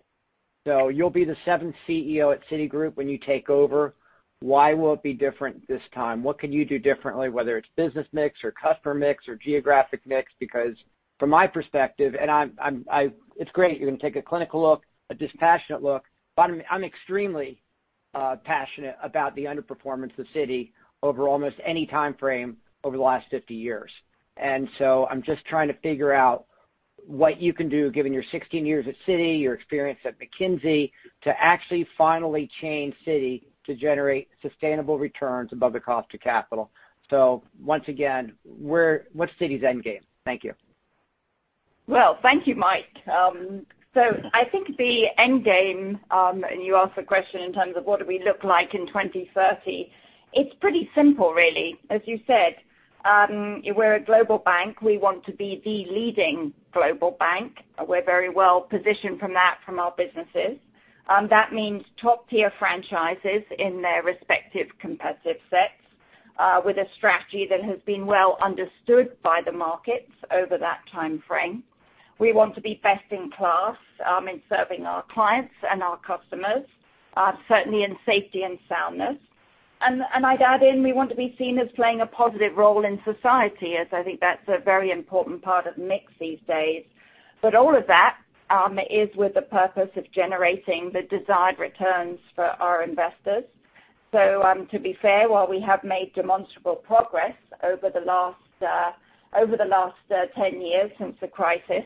You'll be the seventh CEO at Citigroup when you take over. Why will it be different this time? What can you do differently, whether it's business mix or customer mix or geographic mix? Because from my perspective, it's great you're going to take a clinical look, a dispassionate look, but I'm extremely passionate about the underperformance of Citi over almost any time frame over the last 50 years. I'm just trying to figure out what you can do, given your 16 years at Citi, your experience at McKinsey, to actually finally change Citi to generate sustainable returns above the cost of capital. Once again, what's Citi's end game? Thank you. Well, thank you, Mike. I think the end game, you asked the question in terms of what do we look like in 2030, it's pretty simple, really. As you said, we're a global bank. We want to be the leading global bank. We're very well positioned from that, from our businesses. That means top-tier franchises in their respective competitive sets, with a strategy that has been well understood by the markets over that time frame. We want to be best in class in serving our clients and our customers, certainly in safety and soundness. I'd add in, we want to be seen as playing a positive role in society, as I think that's a very important part of the mix these days. All of that is with the purpose of generating the desired returns for our investors. To be fair, while we have made demonstrable progress over the last 10 years since the crisis,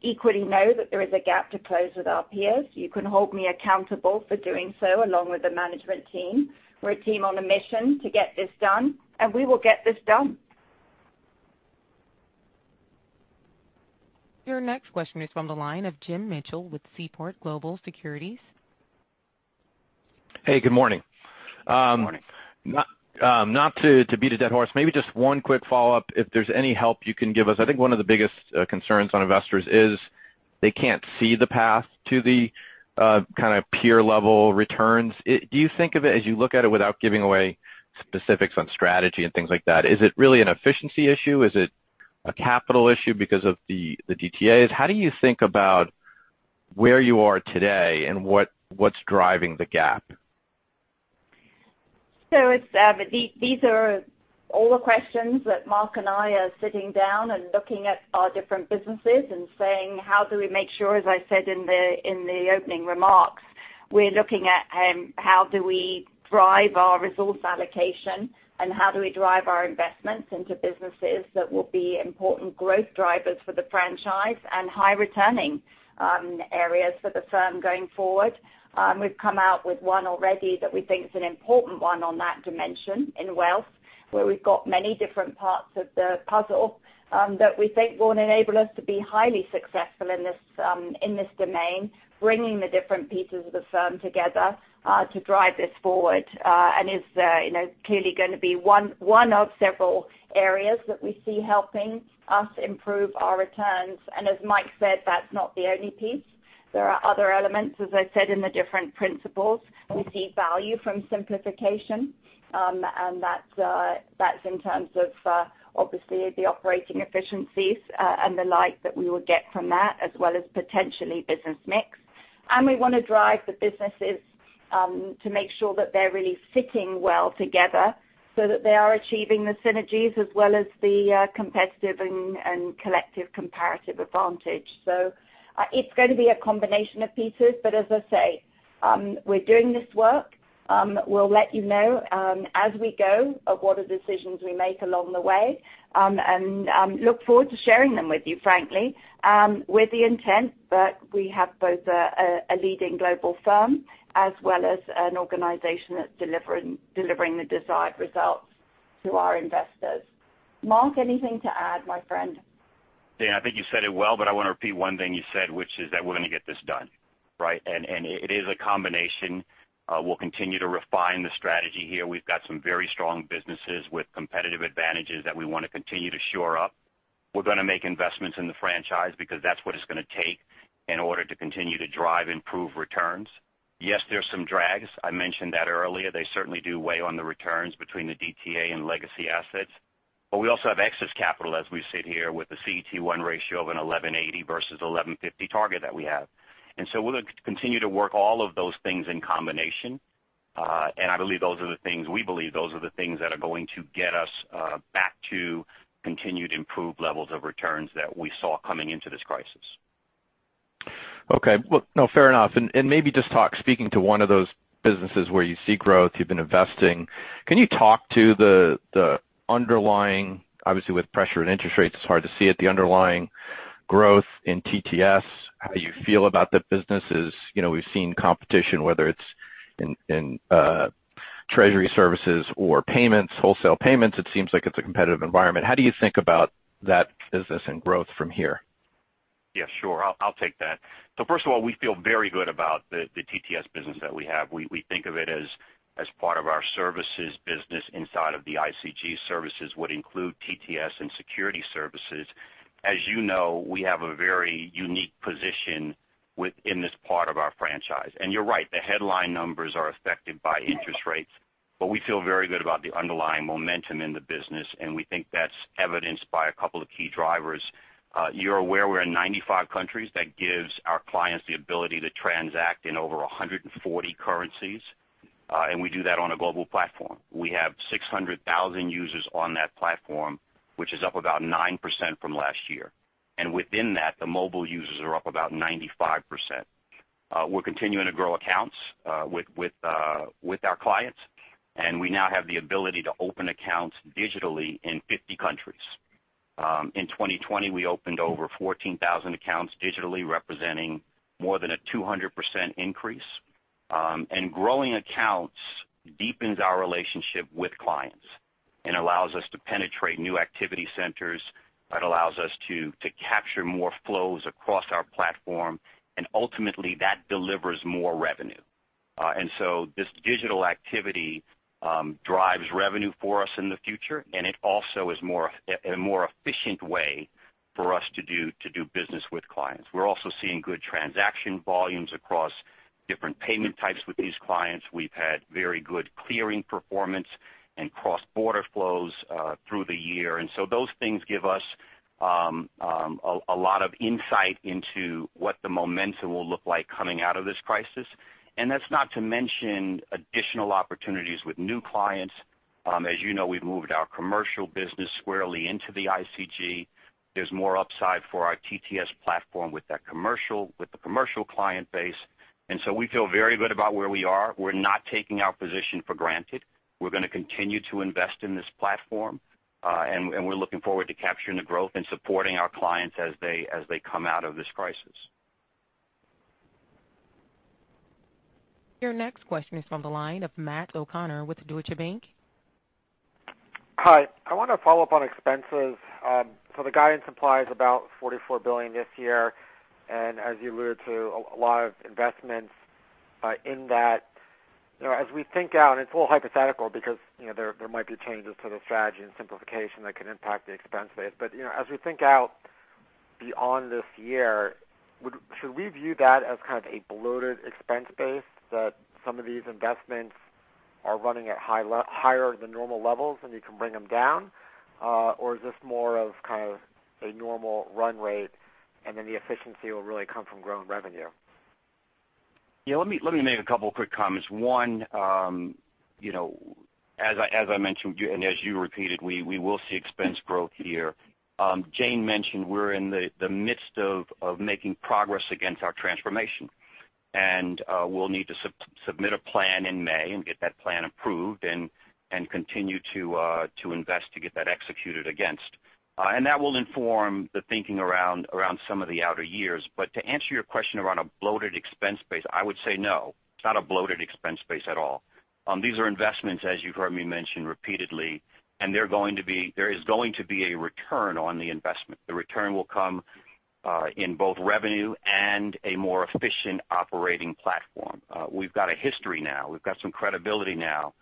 equally know that there is a gap to close with our peers. You can hold me accountable for doing so, along with the management team. We're a team on a mission to get this done, and we will get this done. Your next question is from the line of Jim Mitchell with Seaport Global Securities. Hey, good morning. Good morning. Not to beat a dead horse, maybe just one quick follow-up, if there's any help you can give us. I think one of the biggest concerns on investors is they can't see the path to the kind of peer-level returns. Do you think of it, as you look at it, without giving away specifics on strategy and things like that, is it really an efficiency issue? Is it a capital issue because of the DTAs? How do you think about where you are today and what's driving the gap? These are all questions that Mark and I are sitting down and looking at our different businesses and saying, how do we make sure, as I said in the opening remarks. We're looking at how do we drive our resource allocation, and how do we drive our investments into businesses that will be important growth drivers for the franchise and high returning areas for the firm going forward. We've come out with one already that we think is an important one on that dimension in wealth, where we've got many different parts of the puzzle that we think will enable us to be highly successful in this domain, bringing the different pieces of the firm together to drive this forward, and is clearly going to be one of several areas that we see helping us improve our returns. As Mike said, that's not the only piece. There are other elements, as I said, in the different principles. We see value from simplification, that's in terms of, obviously, the operating efficiencies and the like that we will get from that, as well as potentially business mix. We want to drive the businesses to make sure that they're really fitting well together so that they are achieving the synergies as well as the competitive and collective comparative advantage. It's going to be a combination of pieces. As I say, we're doing this work. We'll let you know as we go of what are decisions we make along the way, and look forward to sharing them with you, frankly with the intent that we have both a leading global firm as well as an organization that's delivering the desired results to our investors. Mark, anything to add, my friend? Yeah, I think you said it well. I want to repeat one thing you said, which is that we're going to get this done. Right? It is a combination. We'll continue to refine the strategy here. We've got some very strong businesses with competitive advantages that we want to continue to shore up. We're going to make investments in the franchise because that's what it's going to take in order to continue to drive improved returns. Yes, there are some drags. I mentioned that earlier. They certainly do weigh on the returns between the DTA and legacy assets. We also have excess capital as we sit here with a CET1 ratio of an 11.80% versus 11.50% target that we have. We'll continue to work all of those things in combination. We believe those are the things that are going to get us back to continued improved levels of returns that we saw coming into this crisis. Okay. Well, no, fair enough. Maybe just talk, speaking to one of those businesses where you see growth, you've been investing. Can you talk to the underlying, obviously with pressure and interest rates, it's hard to see it, the underlying growth in TTS, how you feel about the businesses. We've seen competition, whether it's in treasury services or payments, wholesale payments. It seems like it's a competitive environment. How do you think about that business and growth from here? Yeah, sure. I'll take that. First of all, we feel very good about the TTS business that we have. We think of it as part of our services business inside of the ICG services would include TTS and Securities Services. As you know, we have a very unique position within this part of our franchise. You're right, the headline numbers are affected by interest rates, but we feel very good about the underlying momentum in the business, and we think that's evidenced by a couple of key drivers. You're aware we're in 95 countries. That gives our clients the ability to transact in over 140 currencies, and we do that on a global platform. We have 600,000 users on that platform, which is up about 9% from last year. Within that, the mobile users are up about 95%. We're continuing to grow accounts with our clients, and we now have the ability to open accounts digitally in 50 countries. In 2020, we opened over 14,000 accounts digitally, representing more than a 200% increase. Growing accounts deepens our relationship with clients and allows us to penetrate new activity centers. That allows us to capture more flows across our platform, and ultimately that delivers more revenue. This digital activity drives revenue for us in the future, and it also is a more efficient way for us to do business with clients. We're also seeing good transaction volumes across different payment types with these clients. We've had very good clearing performance and cross-border flows through the year. Those things give us a lot of insight into what the momentum will look like coming out of this crisis. That's not to mention additional opportunities with new clients. As you know, we've moved our commercial business squarely into the ICG. There's more upside for our TTS platform with the commercial client base. We feel very good about where we are. We're not taking our position for granted. We're going to continue to invest in this platform, and we're looking forward to capturing the growth and supporting our clients as they come out of this crisis. Your next question is from the line of Matt O'Connor with Deutsche Bank. Hi. I want to follow up on expenses. The guidance implies about $44 billion this year, and as you alluded to, a lot of investments in that. As we think out, it's a little hypothetical because there might be changes to the strategy and simplification that could impact the expense base. As we think out beyond this year, should we view that as kind of a bloated expense base, that some of these investments are running at higher than normal levels and you can bring them down? Is this more of kind of a normal run rate, and then the efficiency will really come from growing revenue? Yeah, let me make a couple quick comments. One, as I mentioned, and as you repeated, we will see expense growth here. Jane mentioned we're in the midst of making progress against our transformation. We'll need to submit a plan in May and get that plan approved and continue to invest to get that executed against. That will inform the thinking around some of the outer years. To answer your question around a bloated expense base, I would say no. It's not a bloated expense base at all. These are investments, as you've heard me mention repeatedly, and there is going to be a return on the investment. The return will come in both revenue and a more efficient operating platform. We've got a history now. We've got some credibility now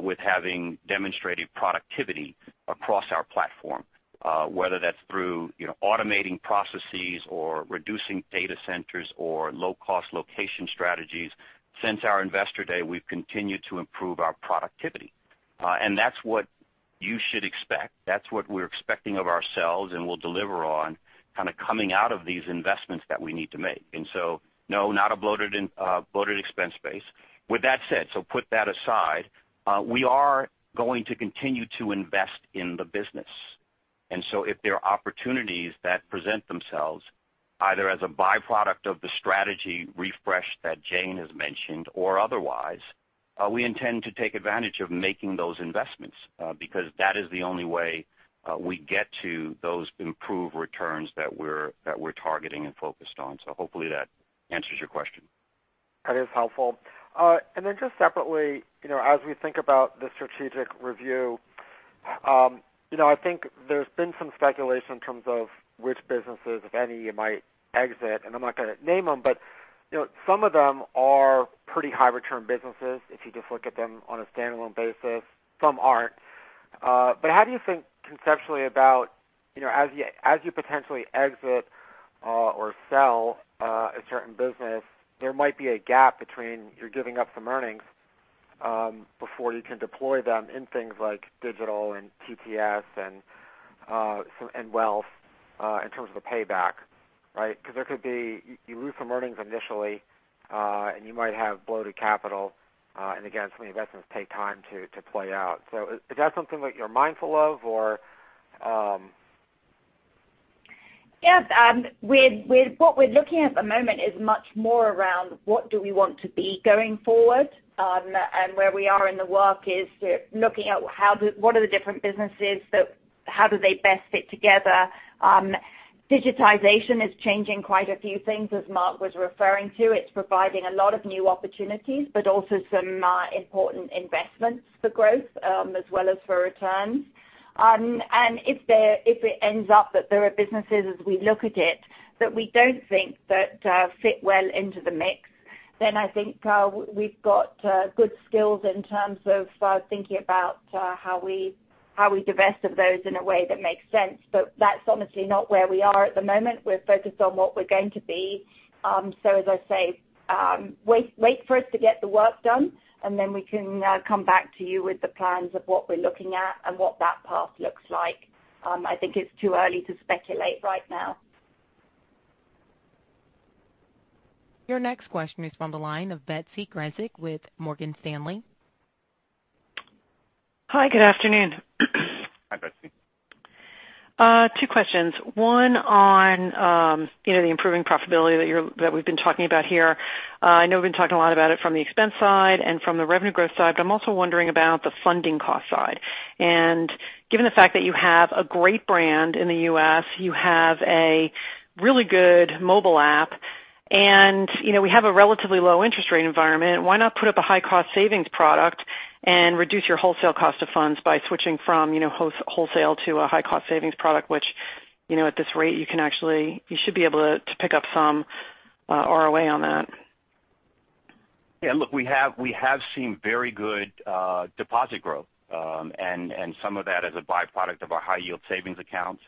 with having demonstrated productivity across our platform, whether that's through automating processes or reducing data centers or low-cost location strategies. Since our investor day, we've continued to improve our productivity. That's what you should expect. That's what we're expecting of ourselves and will deliver on coming out of these investments that we need to make. No, not a bloated expense base. With that said, put that aside, we are going to continue to invest in the business. If there are opportunities that present themselves, either as a byproduct of the strategy refresh that Jane has mentioned or otherwise, we intend to take advantage of making those investments because that is the only way we get to those improved returns that we're targeting and focused on. Hopefully that answers your question. That is helpful. Then just separately, as we think about the strategic review, I think there's been some speculation in terms of which businesses, if any, you might exit, and I'm not going to name them, but some of them are pretty high return businesses, if you just look at them on a standalone basis. Some aren't. How do you think conceptually about as you potentially exit or sell a certain business, there might be a gap between you're giving up some earnings before you can deploy them in things like digital and TTS and wealth in terms of the payback, right? Because there could be you lose some earnings initially, and you might have bloated capital, and again, some of the investments take time to play out. Is that something that you're mindful of or? Yes. What we're looking at the moment is much more around what do we want to be going forward, and where we are in the work is looking at what are the different businesses, so how do they best fit together. Digitization is changing quite a few things, as Mark was referring to. It's providing a lot of new opportunities, but also some important investments for growth as well as for returns. If it ends up that there are businesses as we look at it that we don't think that fit well into the mix, then I think we've got good skills in terms of thinking about how we divest of those in a way that makes sense. That's honestly not where we are at the moment. We're focused on what we're going to be. As I say, wait for us to get the work done, and then we can come back to you with the plans of what we're looking at and what that path looks like. I think it's too early to speculate right now. Your next question is on the line of Betsy Graseck with Morgan Stanley. Hi, good afternoon. Hi, Betsy. Two questions. One on the improving profitability that we've been talking about here. I know we've been talking a lot about it from the expense side and from the revenue growth side, but I'm also wondering about the funding cost side. Given the fact that you have a great brand in the U.S., you have a really good mobile app, and we have a relatively low interest rate environment, why not put up a high-cost savings product and reduce your wholesale cost of funds by switching from wholesale to a high-cost savings product, which, at this rate, you should be able to pick up some ROA on that. Yeah, look, we have seen very good deposit growth. Some of that is a byproduct of our high-yield savings accounts.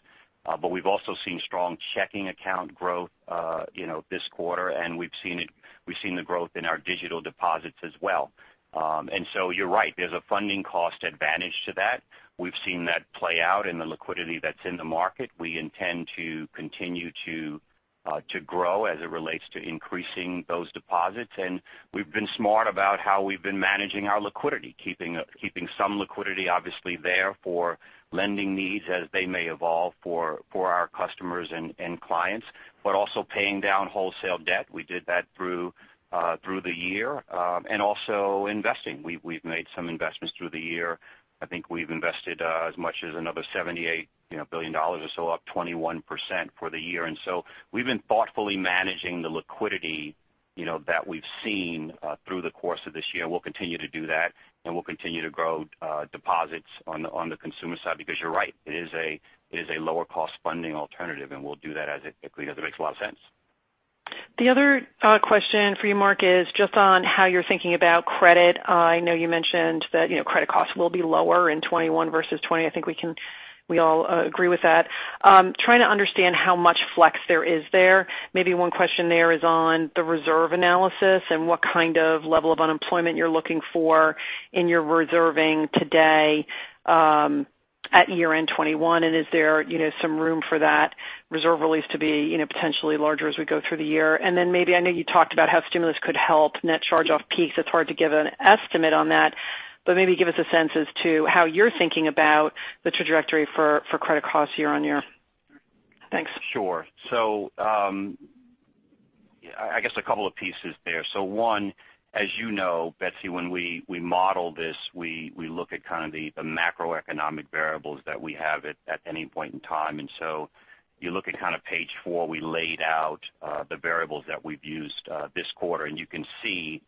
We've also seen strong checking account growth this quarter, and we've seen the growth in our digital deposits as well. You're right. There's a funding cost advantage to that. We've seen that play out in the liquidity that's in the market. We intend to continue to grow as it relates to increasing those deposits, and we've been smart about how we've been managing our liquidity, keeping some liquidity obviously there for lending needs as they may evolve for our customers and clients, but also paying down wholesale debt. We did that through the year. Also investing, we've made some investments through the year. I think we've invested as much as another $78 billion or so, up 21% for the year. We've been thoughtfully managing the liquidity that we've seen through the course of this year, and we'll continue to do that, and we'll continue to grow deposits on the consumer side because you're right. It is a lower-cost funding alternative, and we'll do that as it makes a lot of sense. The other question for you, Mark, is just on how you're thinking about credit. I know you mentioned that credit costs will be lower in 2021 versus 2020. I think we all agree with that. Trying to understand how much flex there is there. Maybe one question there is on the reserve analysis and what kind of level of unemployment you're looking for in your reserving today. At year end 2021, Is there some room for that reserve release to be potentially larger as we go through the year? Maybe, I know you talked about how stimulus could help net charge off peaks. It's hard to give an estimate on that, but maybe give us a sense as to how you're thinking about the trajectory for credit costs year on year. Thanks. Sure. I guess a couple of pieces there. One, as you know, Betsy, when we model this, we look at kind of the macroeconomic variables that we have at any point in time. You look at kind of page four, we laid out the variables that we've used this quarter, and you can see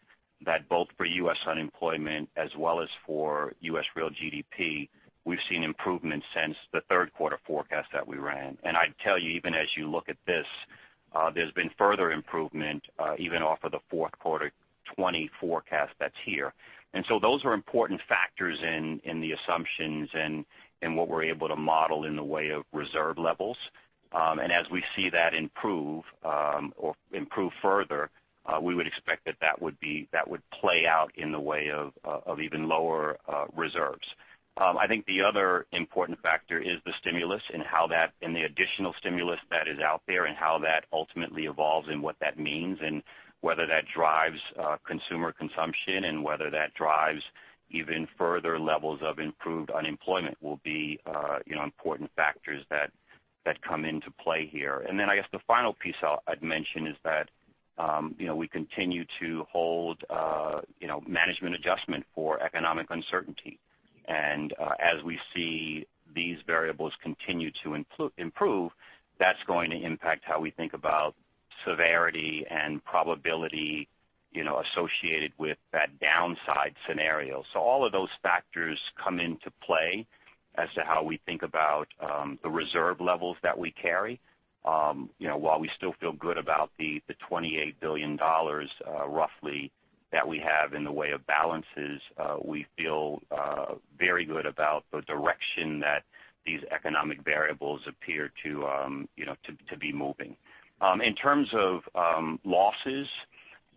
that both for U.S. unemployment as well as for U.S. real GDP, we've seen improvements since the third quarter forecast that we ran. I'd tell you, even as you look at this, there's been further improvement even off of the fourth quarter 2020 forecast that's here. Those are important factors in the assumptions and what we're able to model in the way of reserve levels. As we see that improve or improve further, we would expect that that would play out in the way of even lower reserves. I think the other important factor is the stimulus and the additional stimulus that is out there and how that ultimately evolves and what that means, and whether that drives consumer consumption and whether that drives even further levels of improved unemployment will be important factors that come into play here. Then I guess the final piece I'd mention is that we continue to hold management adjustment for economic uncertainty. As we see these variables continue to improve, that's going to impact how we think about severity and probability associated with that downside scenario. All of those factors come into play as to how we think about the reserve levels that we carry. While we still feel good about the $28 billion roughly that we have in the way of balances, we feel very good about the direction that these economic variables appear to be moving. In terms of losses,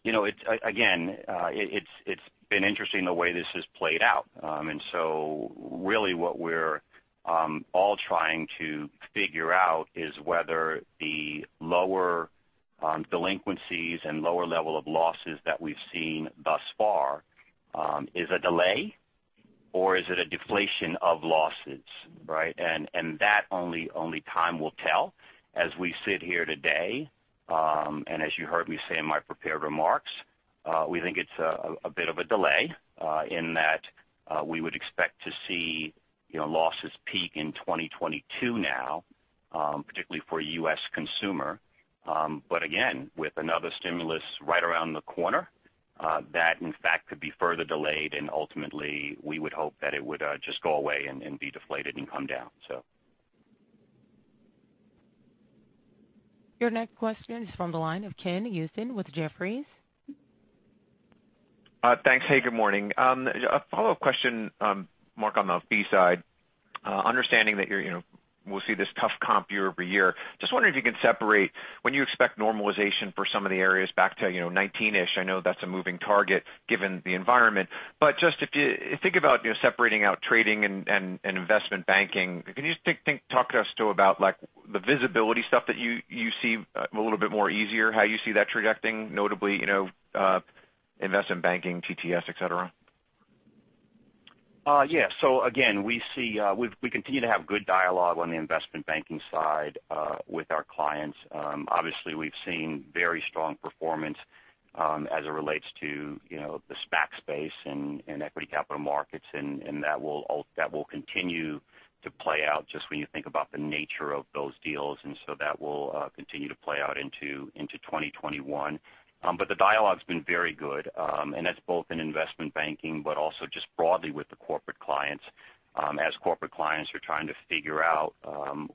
again, it's been interesting the way this has played out. Really what we're all trying to figure out is whether the lower delinquencies and lower level of losses that we've seen thus far is a delay or is it a deflation of losses? That only time will tell. As we sit here today, and as you heard me say in my prepared remarks, we think it's a bit of a delay, in that we would expect to see losses peak in 2022 now, particularly for U.S. consumer. Again, with another stimulus right around the corner, that in fact could be further delayed and ultimately we would hope that it would just go away and be deflated and come down. Your next question is from the line of Ken Usdin with Jefferies. Thanks. Hey, good morning. A follow-up question, Mark, on the fee side. Understanding that we'll see this tough comp year-over-year, just wondering if you can separate when you expect normalization for some of the areas back to 2019-ish. I know that's a moving target given the environment. Just if you think about separating out trading and investment banking, can you just talk to us too about the visibility stuff that you see a little bit more easier, how you see that trajecting, notably investment banking, TTS, et cetera? Yeah. Again, we continue to have good dialogue on the investment banking side with our clients. Obviously, we've seen very strong performance as it relates to the SPAC space and equity capital markets, and that will continue to play out just when you think about the nature of those deals. That will continue to play out into 2021. The dialogue's been very good, and that's both in investment banking, but also just broadly with the corporate clients, as corporate clients are trying to figure out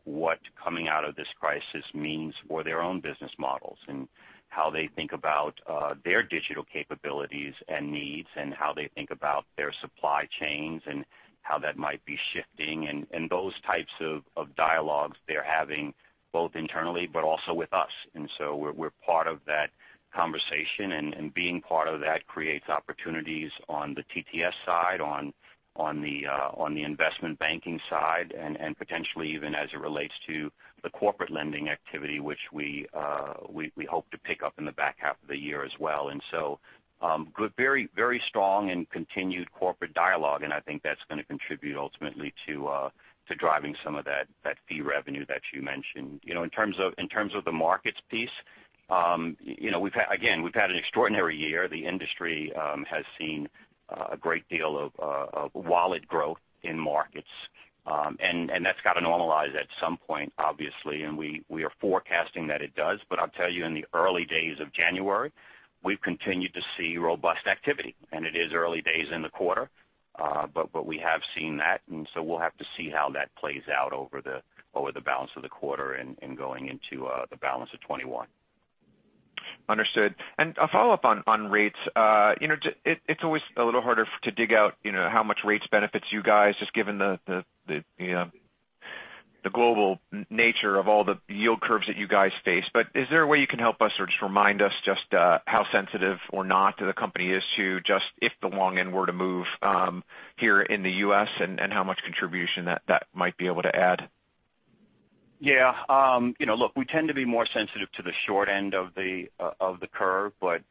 what coming out of this crisis means for their own business models, and how they think about their digital capabilities and needs and how they think about their supply chains and how that might be shifting and those types of dialogues they're having both internally but also with us. We're part of that conversation, and being part of that creates opportunities on the TTS side, on the investment banking side, and potentially even as it relates to the corporate lending activity, which we hope to pick up in the back half of the year as well. Very strong and continued corporate dialogue, and I think that's going to contribute ultimately to driving some of that fee revenue that you mentioned. In terms of the markets piece, again, we've had an extraordinary year. The industry has seen a great deal of wallet growth in markets. That's got to normalize at some point, obviously, and we are forecasting that it does. I'll tell you in the early days of January, we've continued to see robust activity. It is early days in the quarter. We have seen that, and so we'll have to see how that plays out over the balance of the quarter and going into the balance of 2021. Understood. A follow-up on rates. It's always a little harder to dig out how much rates benefits you guys just given the global nature of all the yield curves that you guys face. Is there a way you can help us or just remind us just how sensitive or not the company is to just if the long end were to move here in the U.S. and how much contribution that might be able to add? Yeah. Look, we tend to be more sensitive to the short end of the curve, but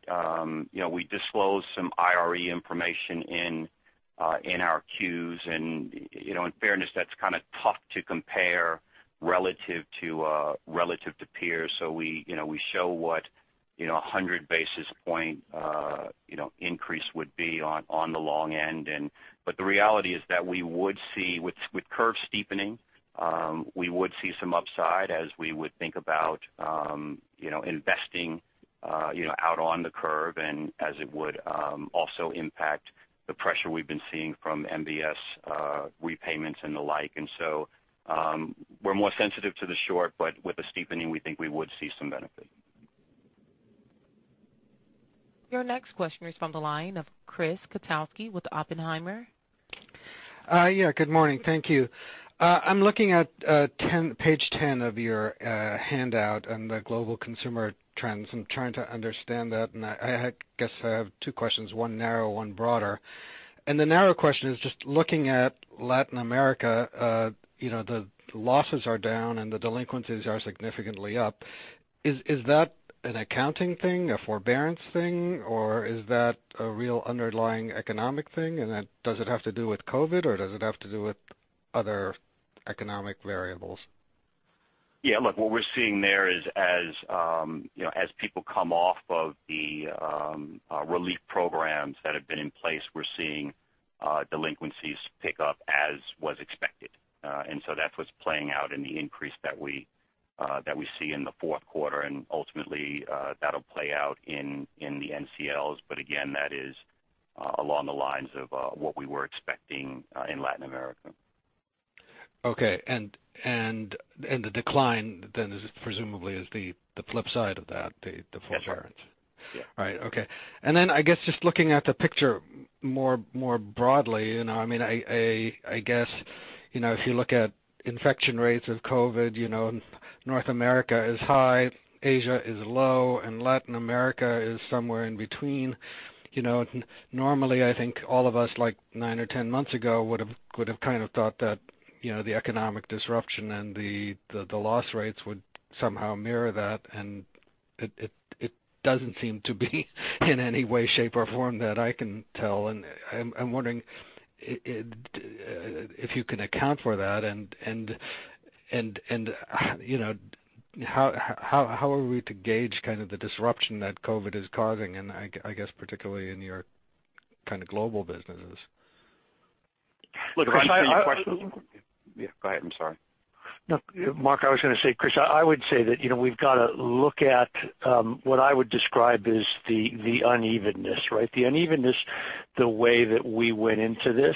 we disclose some IRE information in our Qs. In fairness, that's kind of tough to compare relative to peers. We show what 100 basis point increase would be on the long end. The reality is that with curve steepening, we would see some upside as we would think about investing out on the curve and as it would also impact the pressure we've been seeing from MBS repayments and the like. We're more sensitive to the short, but with a steepening, we think we would see some benefit. Your next question is from the line of Chris Kotowski with Oppenheimer. Yeah, good morning. Thank you. I'm looking at page 10 of your handout on the global consumer trends and trying to understand that. I guess I have two questions, one narrow, one broader. The narrow question is just looking at Latin America, the losses are down and the delinquencies are significantly up. Is that an accounting thing, a forbearance thing, or is that a real underlying economic thing? Does it have to do with COVID, or does it have to do with other economic variables? Yeah, look, what we're seeing there is as people come off of the relief programs that have been in place, we're seeing delinquencies pick up as was expected. That's what's playing out in the increase that we see in the fourth quarter. Ultimately, that'll play out in the NCLs. Again, that is along the lines of what we were expecting in Latin America. Okay. The decline then presumably is the flip side of that, the forbearance. That's right. Yeah. Right. Okay. I guess just looking at the picture more broadly, I guess, if you look at infection rates of COVID, North America is high, Asia is low, and Latin America is somewhere in between. Normally, I think all of us, like nine or 10 months ago, would have kind of thought that the economic disruption and the loss rates would somehow mirror that. It doesn't seem to be in any way, shape, or form that I can tell. I'm wondering if you can account for that. How are we to gauge kind of the disruption that COVID is causing, I guess particularly in your kind of global businesses? Look, Chris. Yeah, go ahead. I'm sorry. Mark, I was going to say, Chris, I would say that we've got to look at what I would describe as the unevenness, right? The unevenness, the way that we went into this,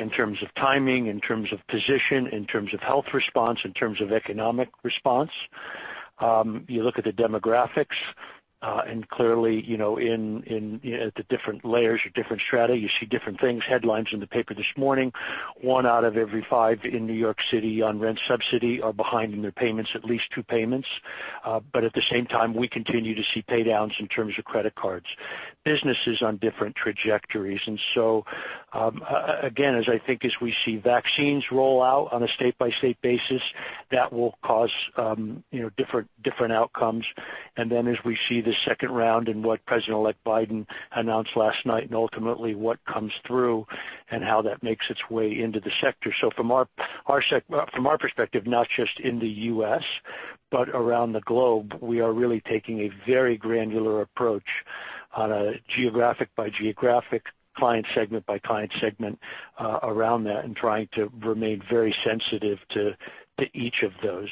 in terms of timing, in terms of position, in terms of health response, in terms of economic response. You look at the demographics, clearly, at the different layers or different strata, you see different things. Headlines in the paper this morning, one out of every five in New York City on rent subsidy are behind in their payments at least two payments. At the same time, we continue to see pay downs in terms of credit cards. Businesses on different trajectories. Again, as I think as we see vaccines roll out on a state-by-state basis, that will cause different outcomes. As we see the second round and what President-elect Biden announced last night and ultimately what comes through and how that makes its way into the sector. From our perspective, not just in the U.S., but around the globe, we are really taking a very granular approach on a geographic-by-geographic, client segment-by-client segment around that and trying to remain very sensitive to each of those.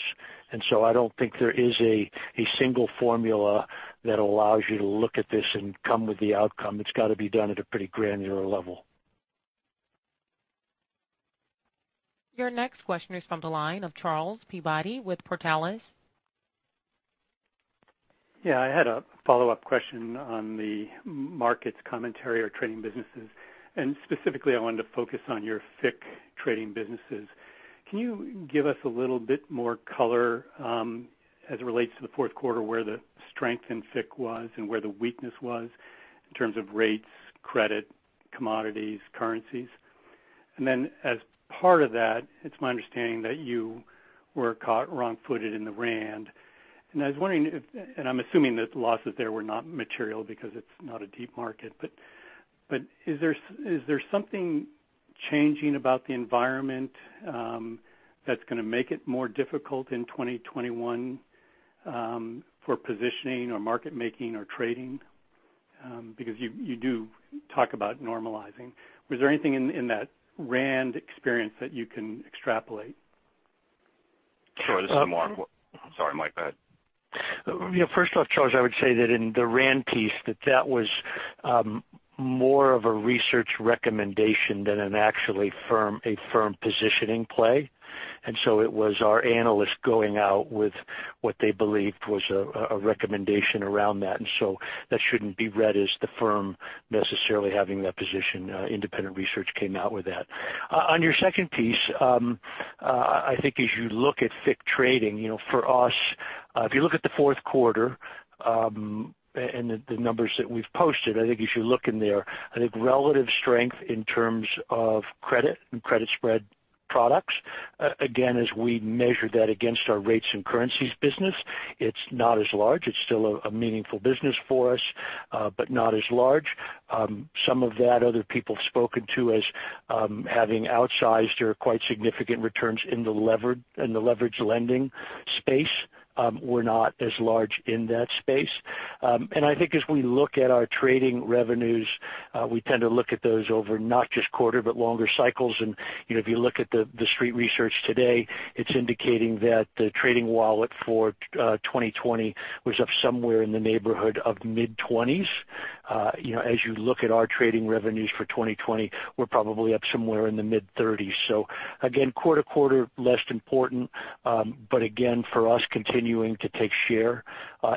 I don't think there is a single formula that allows you to look at this and come with the outcome. It's got to be done at a pretty granular level. Your next question is from the line of Charles Peabody with Portales. Yeah, I had a follow-up question on the markets commentary or trading businesses. Specifically, I wanted to focus on your FICC trading businesses. Can you give us a little bit more color, as it relates to the fourth quarter where the strength in FICC was and where the weakness was in terms of rates, credit, commodities, currencies? Then as part of that, it's my understanding that you were caught wrong-footed in the rand. I was wondering if, and I'm assuming that the losses there were not material because it's not a deep market, but is there something changing about the environment that's going to make it more difficult in 2021 for positioning or market making or trading? You do talk about normalizing. Was there anything in that rand experience that you can extrapolate? Sorry, this is Mark. Sorry, Mike, go ahead. Yeah. First off, Charles, I would say that in the rand piece, that that was more of a research recommendation than an actually a firm positioning play. It was our analyst going out with what they believed was a recommendation around that. That shouldn't be read as the firm necessarily having that position. Independent research came out with that. On your second piece, I think as you look at FICC trading, If you look at the fourth quarter, and the numbers that we've posted, I think if you look in there, I think relative strength in terms of credit and credit spread products. Again, as we measure that against our rates and currencies business, it's not as large. It's still a meaningful business for us, but not as large. Some of that other people have spoken to as having outsized or quite significant returns in the leverage lending space. We're not as large in that space. I think as we look at our trading revenues, we tend to look at those over not just quarter, but longer cycles. If you look at the street research today, it's indicating that the trading wallet for 2020 was up somewhere in the neighborhood of mid-20s. As you look at our trading revenues for 2020, we're probably up somewhere in the mid-30s. Again, quarter to quarter, less important. Again, for us continuing to take share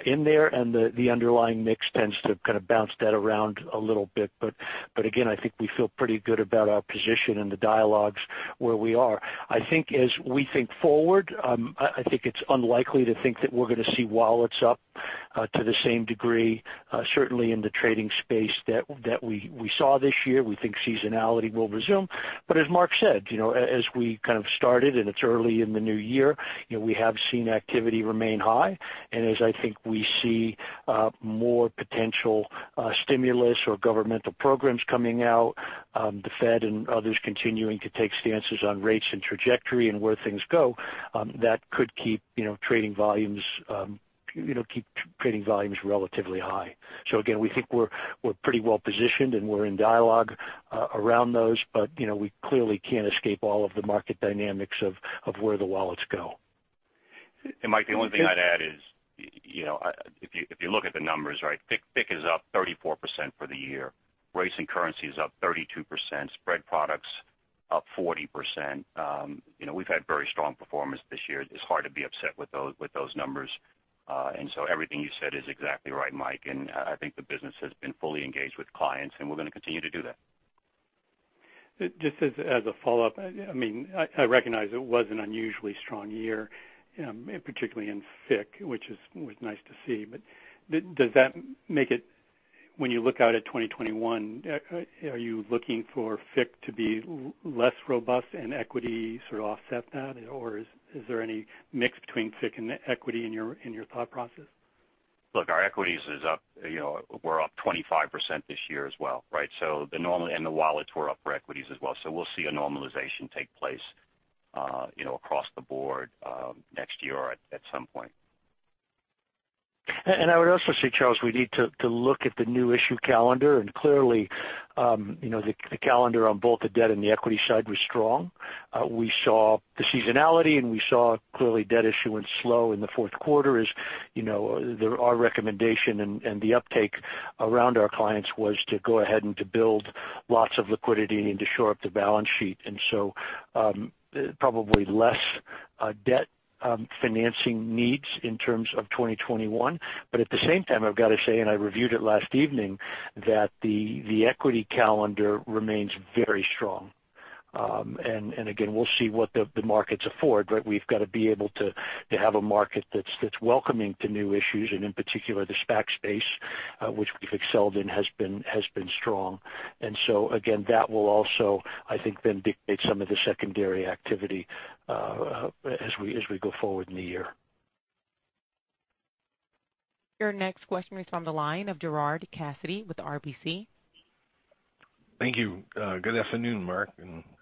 in there and the underlying mix tends to kind of bounce that around a little bit. Again, I think we feel pretty good about our position and the dialogues where we are. I think as we think forward, I think it's unlikely to think that we're going to see wallets up to the same degree, certainly in the trading space that we saw this year. We think seasonality will resume. As Mark said, as we kind of started, and it's early in the new year, we have seen activity remain high. As I think we see more potential stimulus or governmental programs coming out, the Fed and others continuing to take stances on rates and trajectory and where things go, that could keep trading volumes relatively high. Again, we think we're pretty well positioned, and we're in dialogue around those. We clearly can't escape all of the market dynamics of where the wallets go. Mike, the only thing I'd add is, if you look at the numbers, right, FICC is up 34% for the year. Rates and currency is up 32%, spread products up 40%. We've had very strong performance this year. It's hard to be upset with those numbers. Everything you said is exactly right, Mike, and I think the business has been fully engaged with clients, and we're going to continue to do that. Just as a follow-up, I recognize it was an unusually strong year, particularly in FICC, which was nice to see. Does that make it, when you look out at 2021, are you looking for FICC to be less robust and equity sort of offset that? Is there any mix between FICC and equity in your thought process? Look, our equities were up 25% this year as well, right? The wallets were up for equities as well. We'll see a normalization take place across the board next year or at some point. I would also say, Charles, we need to look at the new issue calendar. Clearly, the calendar on both the debt and the equity side was strong. We saw the seasonality, and we saw clearly debt issuance slow in the fourth quarter as our recommendation and the uptake around our clients was to go ahead and to build lots of liquidity and to shore up the balance sheet. Probably less debt financing needs in terms of 2021. At the same time, I've got to say, and I reviewed it last evening, that the equity calendar remains very strong. Again, we'll see what the markets afford, but we've got to be able to have a market that's welcoming to new issues, and in particular, the SPAC space, which we've excelled in, has been strong. Again, that will also, I think, then dictate some of the secondary activity as we go forward in the year. Your next question is on the line of Gerard Cassidy with RBC. Thank you. Good afternoon, Mark and everyone. Gerard.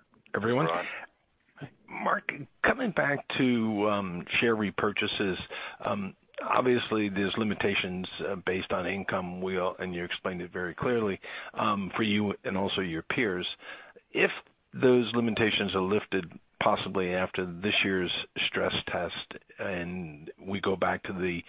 Mark, coming back to share repurchases. Obviously, there's limitations based on income, and you explained it very clearly for you and also your peers. If those limitations are lifted possibly after this year's stress test, and we go back to the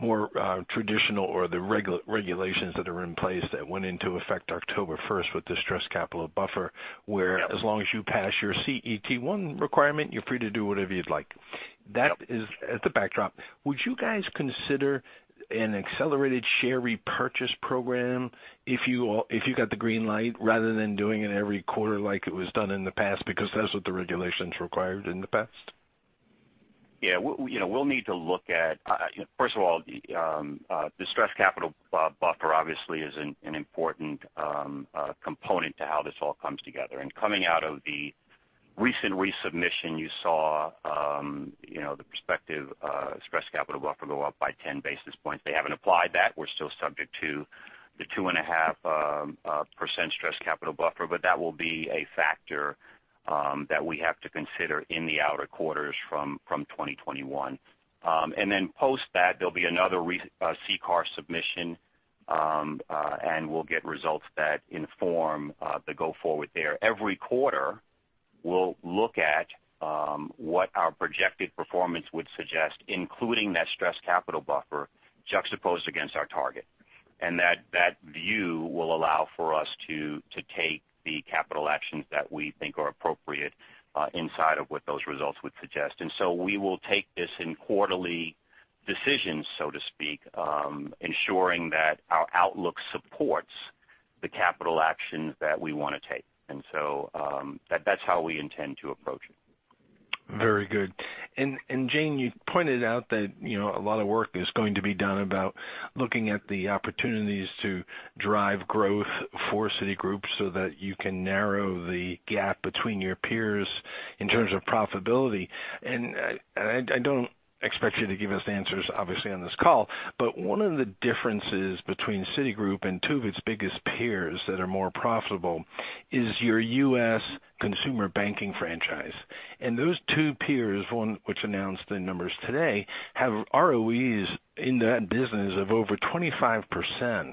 more traditional or the regulations that are in place that went into effect October 1st with the stress capital buffer, where as long as you pass your CET1 requirement, you're free to do whatever you'd like. That is the backdrop. Would you guys consider an accelerated share repurchase program if you got the green light rather than doing it every quarter like it was done in the past because that's what the regulations required in the past? First of all, the stress capital buffer obviously is an important component to how this all comes together. Coming out of the recent resubmission, you saw the prospective stress capital buffer go up by 10 basis points. They haven't applied that. We're still subject to the 2.5% stress capital buffer, but that will be a factor that we have to consider in the outer quarters from 2021. Post that, there'll be another CCAR submission, and we'll get results that inform the go forward there. Every quarter, we'll look at what our projected performance would suggest, including that stress capital buffer juxtaposed against our target. That view will allow for us to take the capital actions that we think are appropriate inside of what those results would suggest. We will take this in quarterly decisions, so to speak, ensuring that our outlook supports the capital actions that we want to take. That's how we intend to approach it. Very good. Jane, you pointed out that a lot of work is going to be done about looking at the opportunities to drive growth for Citigroup so that you can narrow the gap between your peers in terms of profitability. I don't expect you to give us the answers, obviously, on this call, but one of the differences between Citigroup and two of its biggest peers that are more profitable is your U.S. consumer banking franchise. Those two peers, one which announced the numbers today, have ROEs in that business of over 25%,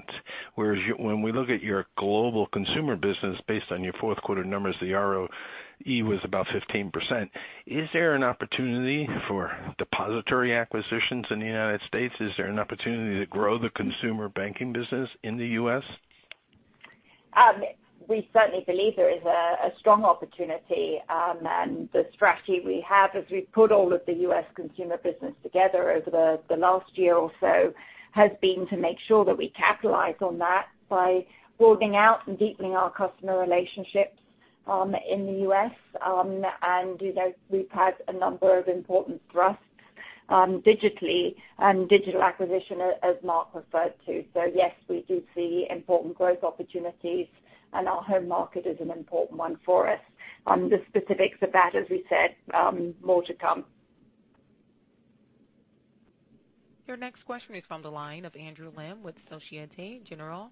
whereas when we look at your Global Consumer business based on your fourth quarter numbers, the ROE was about 15%. Is there an opportunity for depository acquisitions in the United States? Is there an opportunity to grow the consumer banking business in the U.S.? We certainly believe there is a strong opportunity. The strategy we have as we put all of the U.S. consumer business together over the last year or so, has been to make sure that we capitalize on that by building out and deepening our customer relationships in the U.S. We've had a number of important thrusts digitally and digital acquisition, as Mark referred to. Yes, we do see important growth opportunities, and our home market is an important one for us. The specifics of that, as we said, more to come. Your next question is from the line of Andrew Lim with Societe Generale.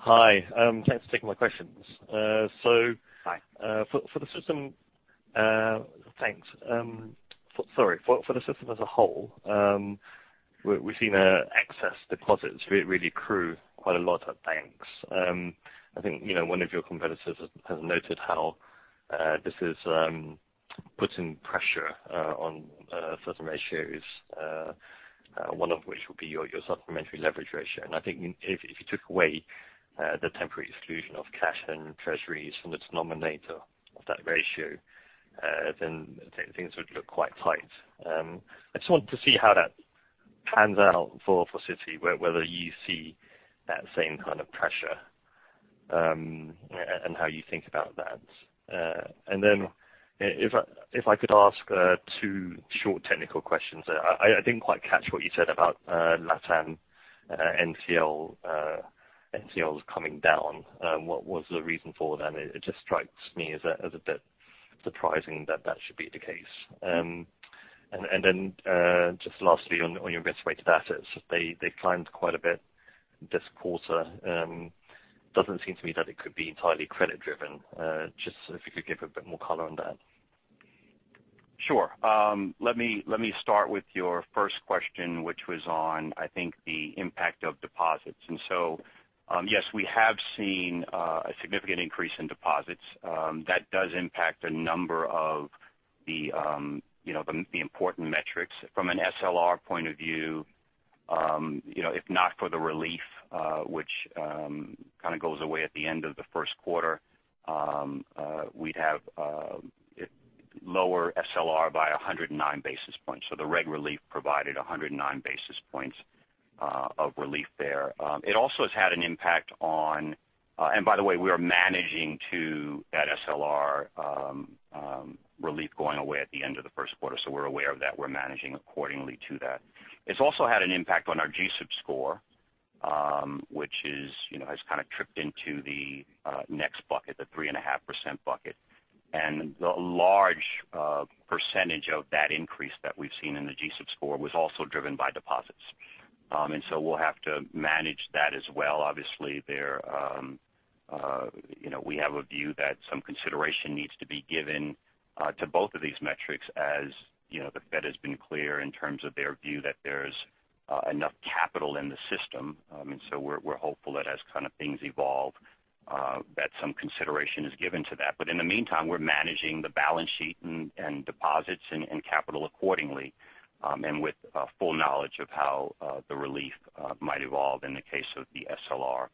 Hi, thanks for taking my questions. Hi. Thanks. Sorry. For the system as a whole, we've seen excess deposits really accrue quite a lot at banks. I think one of your competitors has noted how this is putting pressure on certain ratios, one of which will be your supplementary leverage ratio. I think if you took away the temporary exclusion of cash and treasuries from the denominator of that ratio, then things would look quite tight. I just wanted to see how that pans out for Citi, whether you see that same kind of pressure, and how you think about that. If I could ask two short technical questions. I didn't quite catch what you said about LatAm NCLs coming down. What was the reason for that? It just strikes me as a bit surprising that should be the case. Just lastly on your risk-weighted assets, they climbed quite a bit this quarter. It doesn't seem to me that it could be entirely credit-driven. Just if you could give a bit more color on that. Sure. Let me start with your first question, which was on, I think, the impact of deposits. Yes, we have seen a significant increase in deposits. That does impact a number of the important metrics. From an SLR point of view, if not for the relief, which kind of goes away at the end of the first quarter, we'd have lower SLR by 109 basis points. The reg relief provided 109 basis points of relief there. It also has had an impact, and by the way, we are managing to that SLR relief going away at the end of the first quarter. We're aware of that. We're managing accordingly to that. It's also had an impact on our G-SIB score, which has kind of tripped into the next bucket, the 3.5% bucket. A large percentage of that increase that we've seen in the G-SIB score was also driven by deposits. We'll have to manage that as well. Obviously, we have a view that some consideration needs to be given to both of these metrics as the Fed has been clear in terms of their view that there's enough capital in the system. We're hopeful that as things evolve, that some consideration is given to that. In the meantime, we're managing the balance sheet and deposits and capital accordingly, and with full knowledge of how the relief might evolve in the case of the SLR.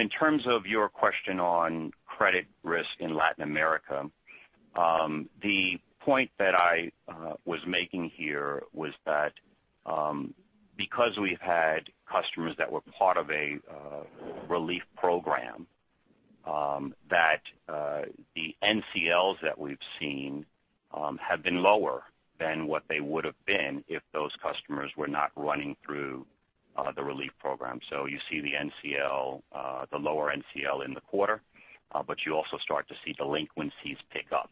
In terms of your question on credit risk in Latin America, the point that I was making here was that because we've had customers that were part of a relief program, that the NCLs that we've seen have been lower than what they would have been if those customers were not running through the relief program. You see the lower NCL in the quarter, you also start to see delinquencies pick up.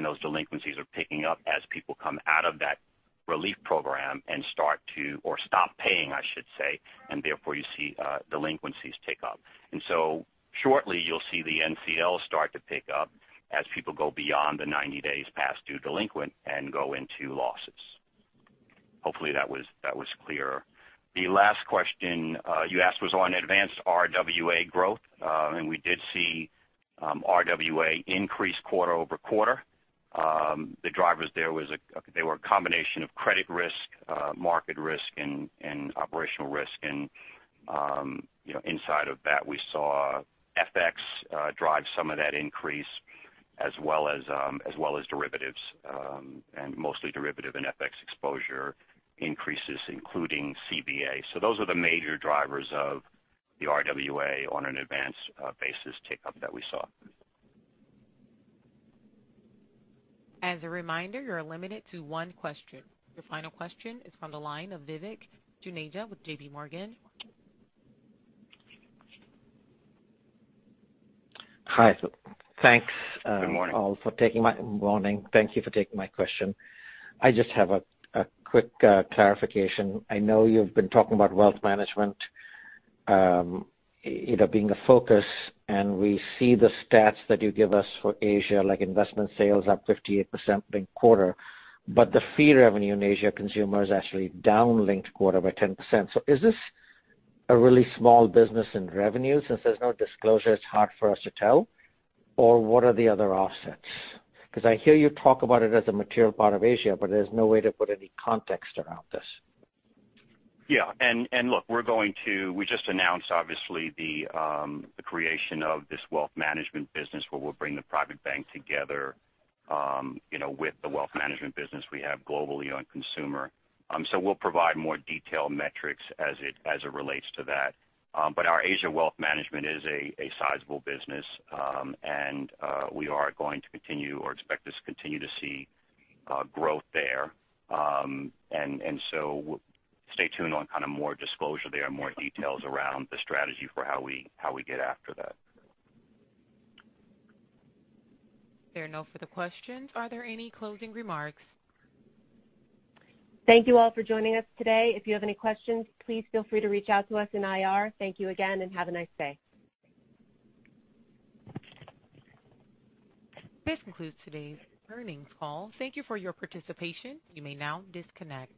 Those delinquencies are picking up as people come out of that relief program or stop paying, I should say, you see delinquencies tick up. Shortly, you'll see the NCL start to tick up as people go beyond the 90 days past due delinquent and go into losses. Hopefully that was clearer. The last question you asked was on advanced RWA growth. We did see RWA increase quarter-over-quarter. The drivers there were a combination of credit risk, market risk, and operational risk. Inside of that, we saw FX drive some of that increase as well as derivatives, and mostly derivative and FX exposure increases, including CVA. Those are the major drivers of the RWA on an advanced basis tick up that we saw. As a reminder, you're limited to one question. Your final question is from the line of Vivek Juneja with JPMorgan. Hi. Thanks. Good morning. Morning. Thank you for taking my question. I just have a quick clarification. I know you've been talking about wealth management being a focus. We see the stats that you give us for Asia, like investment sales up 58% linked quarter. The fee revenue in Asia Consumer is actually down linked quarter by 10%. Is this a really small business in revenue? Since there's no disclosure, it's hard for us to tell. What are the other offsets? I hear you talk about it as a material part of Asia, there's no way to put any context around this. Yeah. Look, we just announced, obviously, the creation of this wealth management business where we'll bring the Private Bank together with the wealth management business we have globally on Consumer. We'll provide more detailed metrics as it relates to that. Our Asia wealth management is a sizable business, and we are going to continue or expect to continue to see growth there. Stay tuned on more disclosure there and more details around the strategy for how we get after that. There are no further questions. Are there any closing remarks? Thank you all for joining us today. If you have any questions, please feel free to reach out to us in IR. Thank you again, and have a nice day. This concludes today's earnings call. Thank you for your participation. You may now disconnect.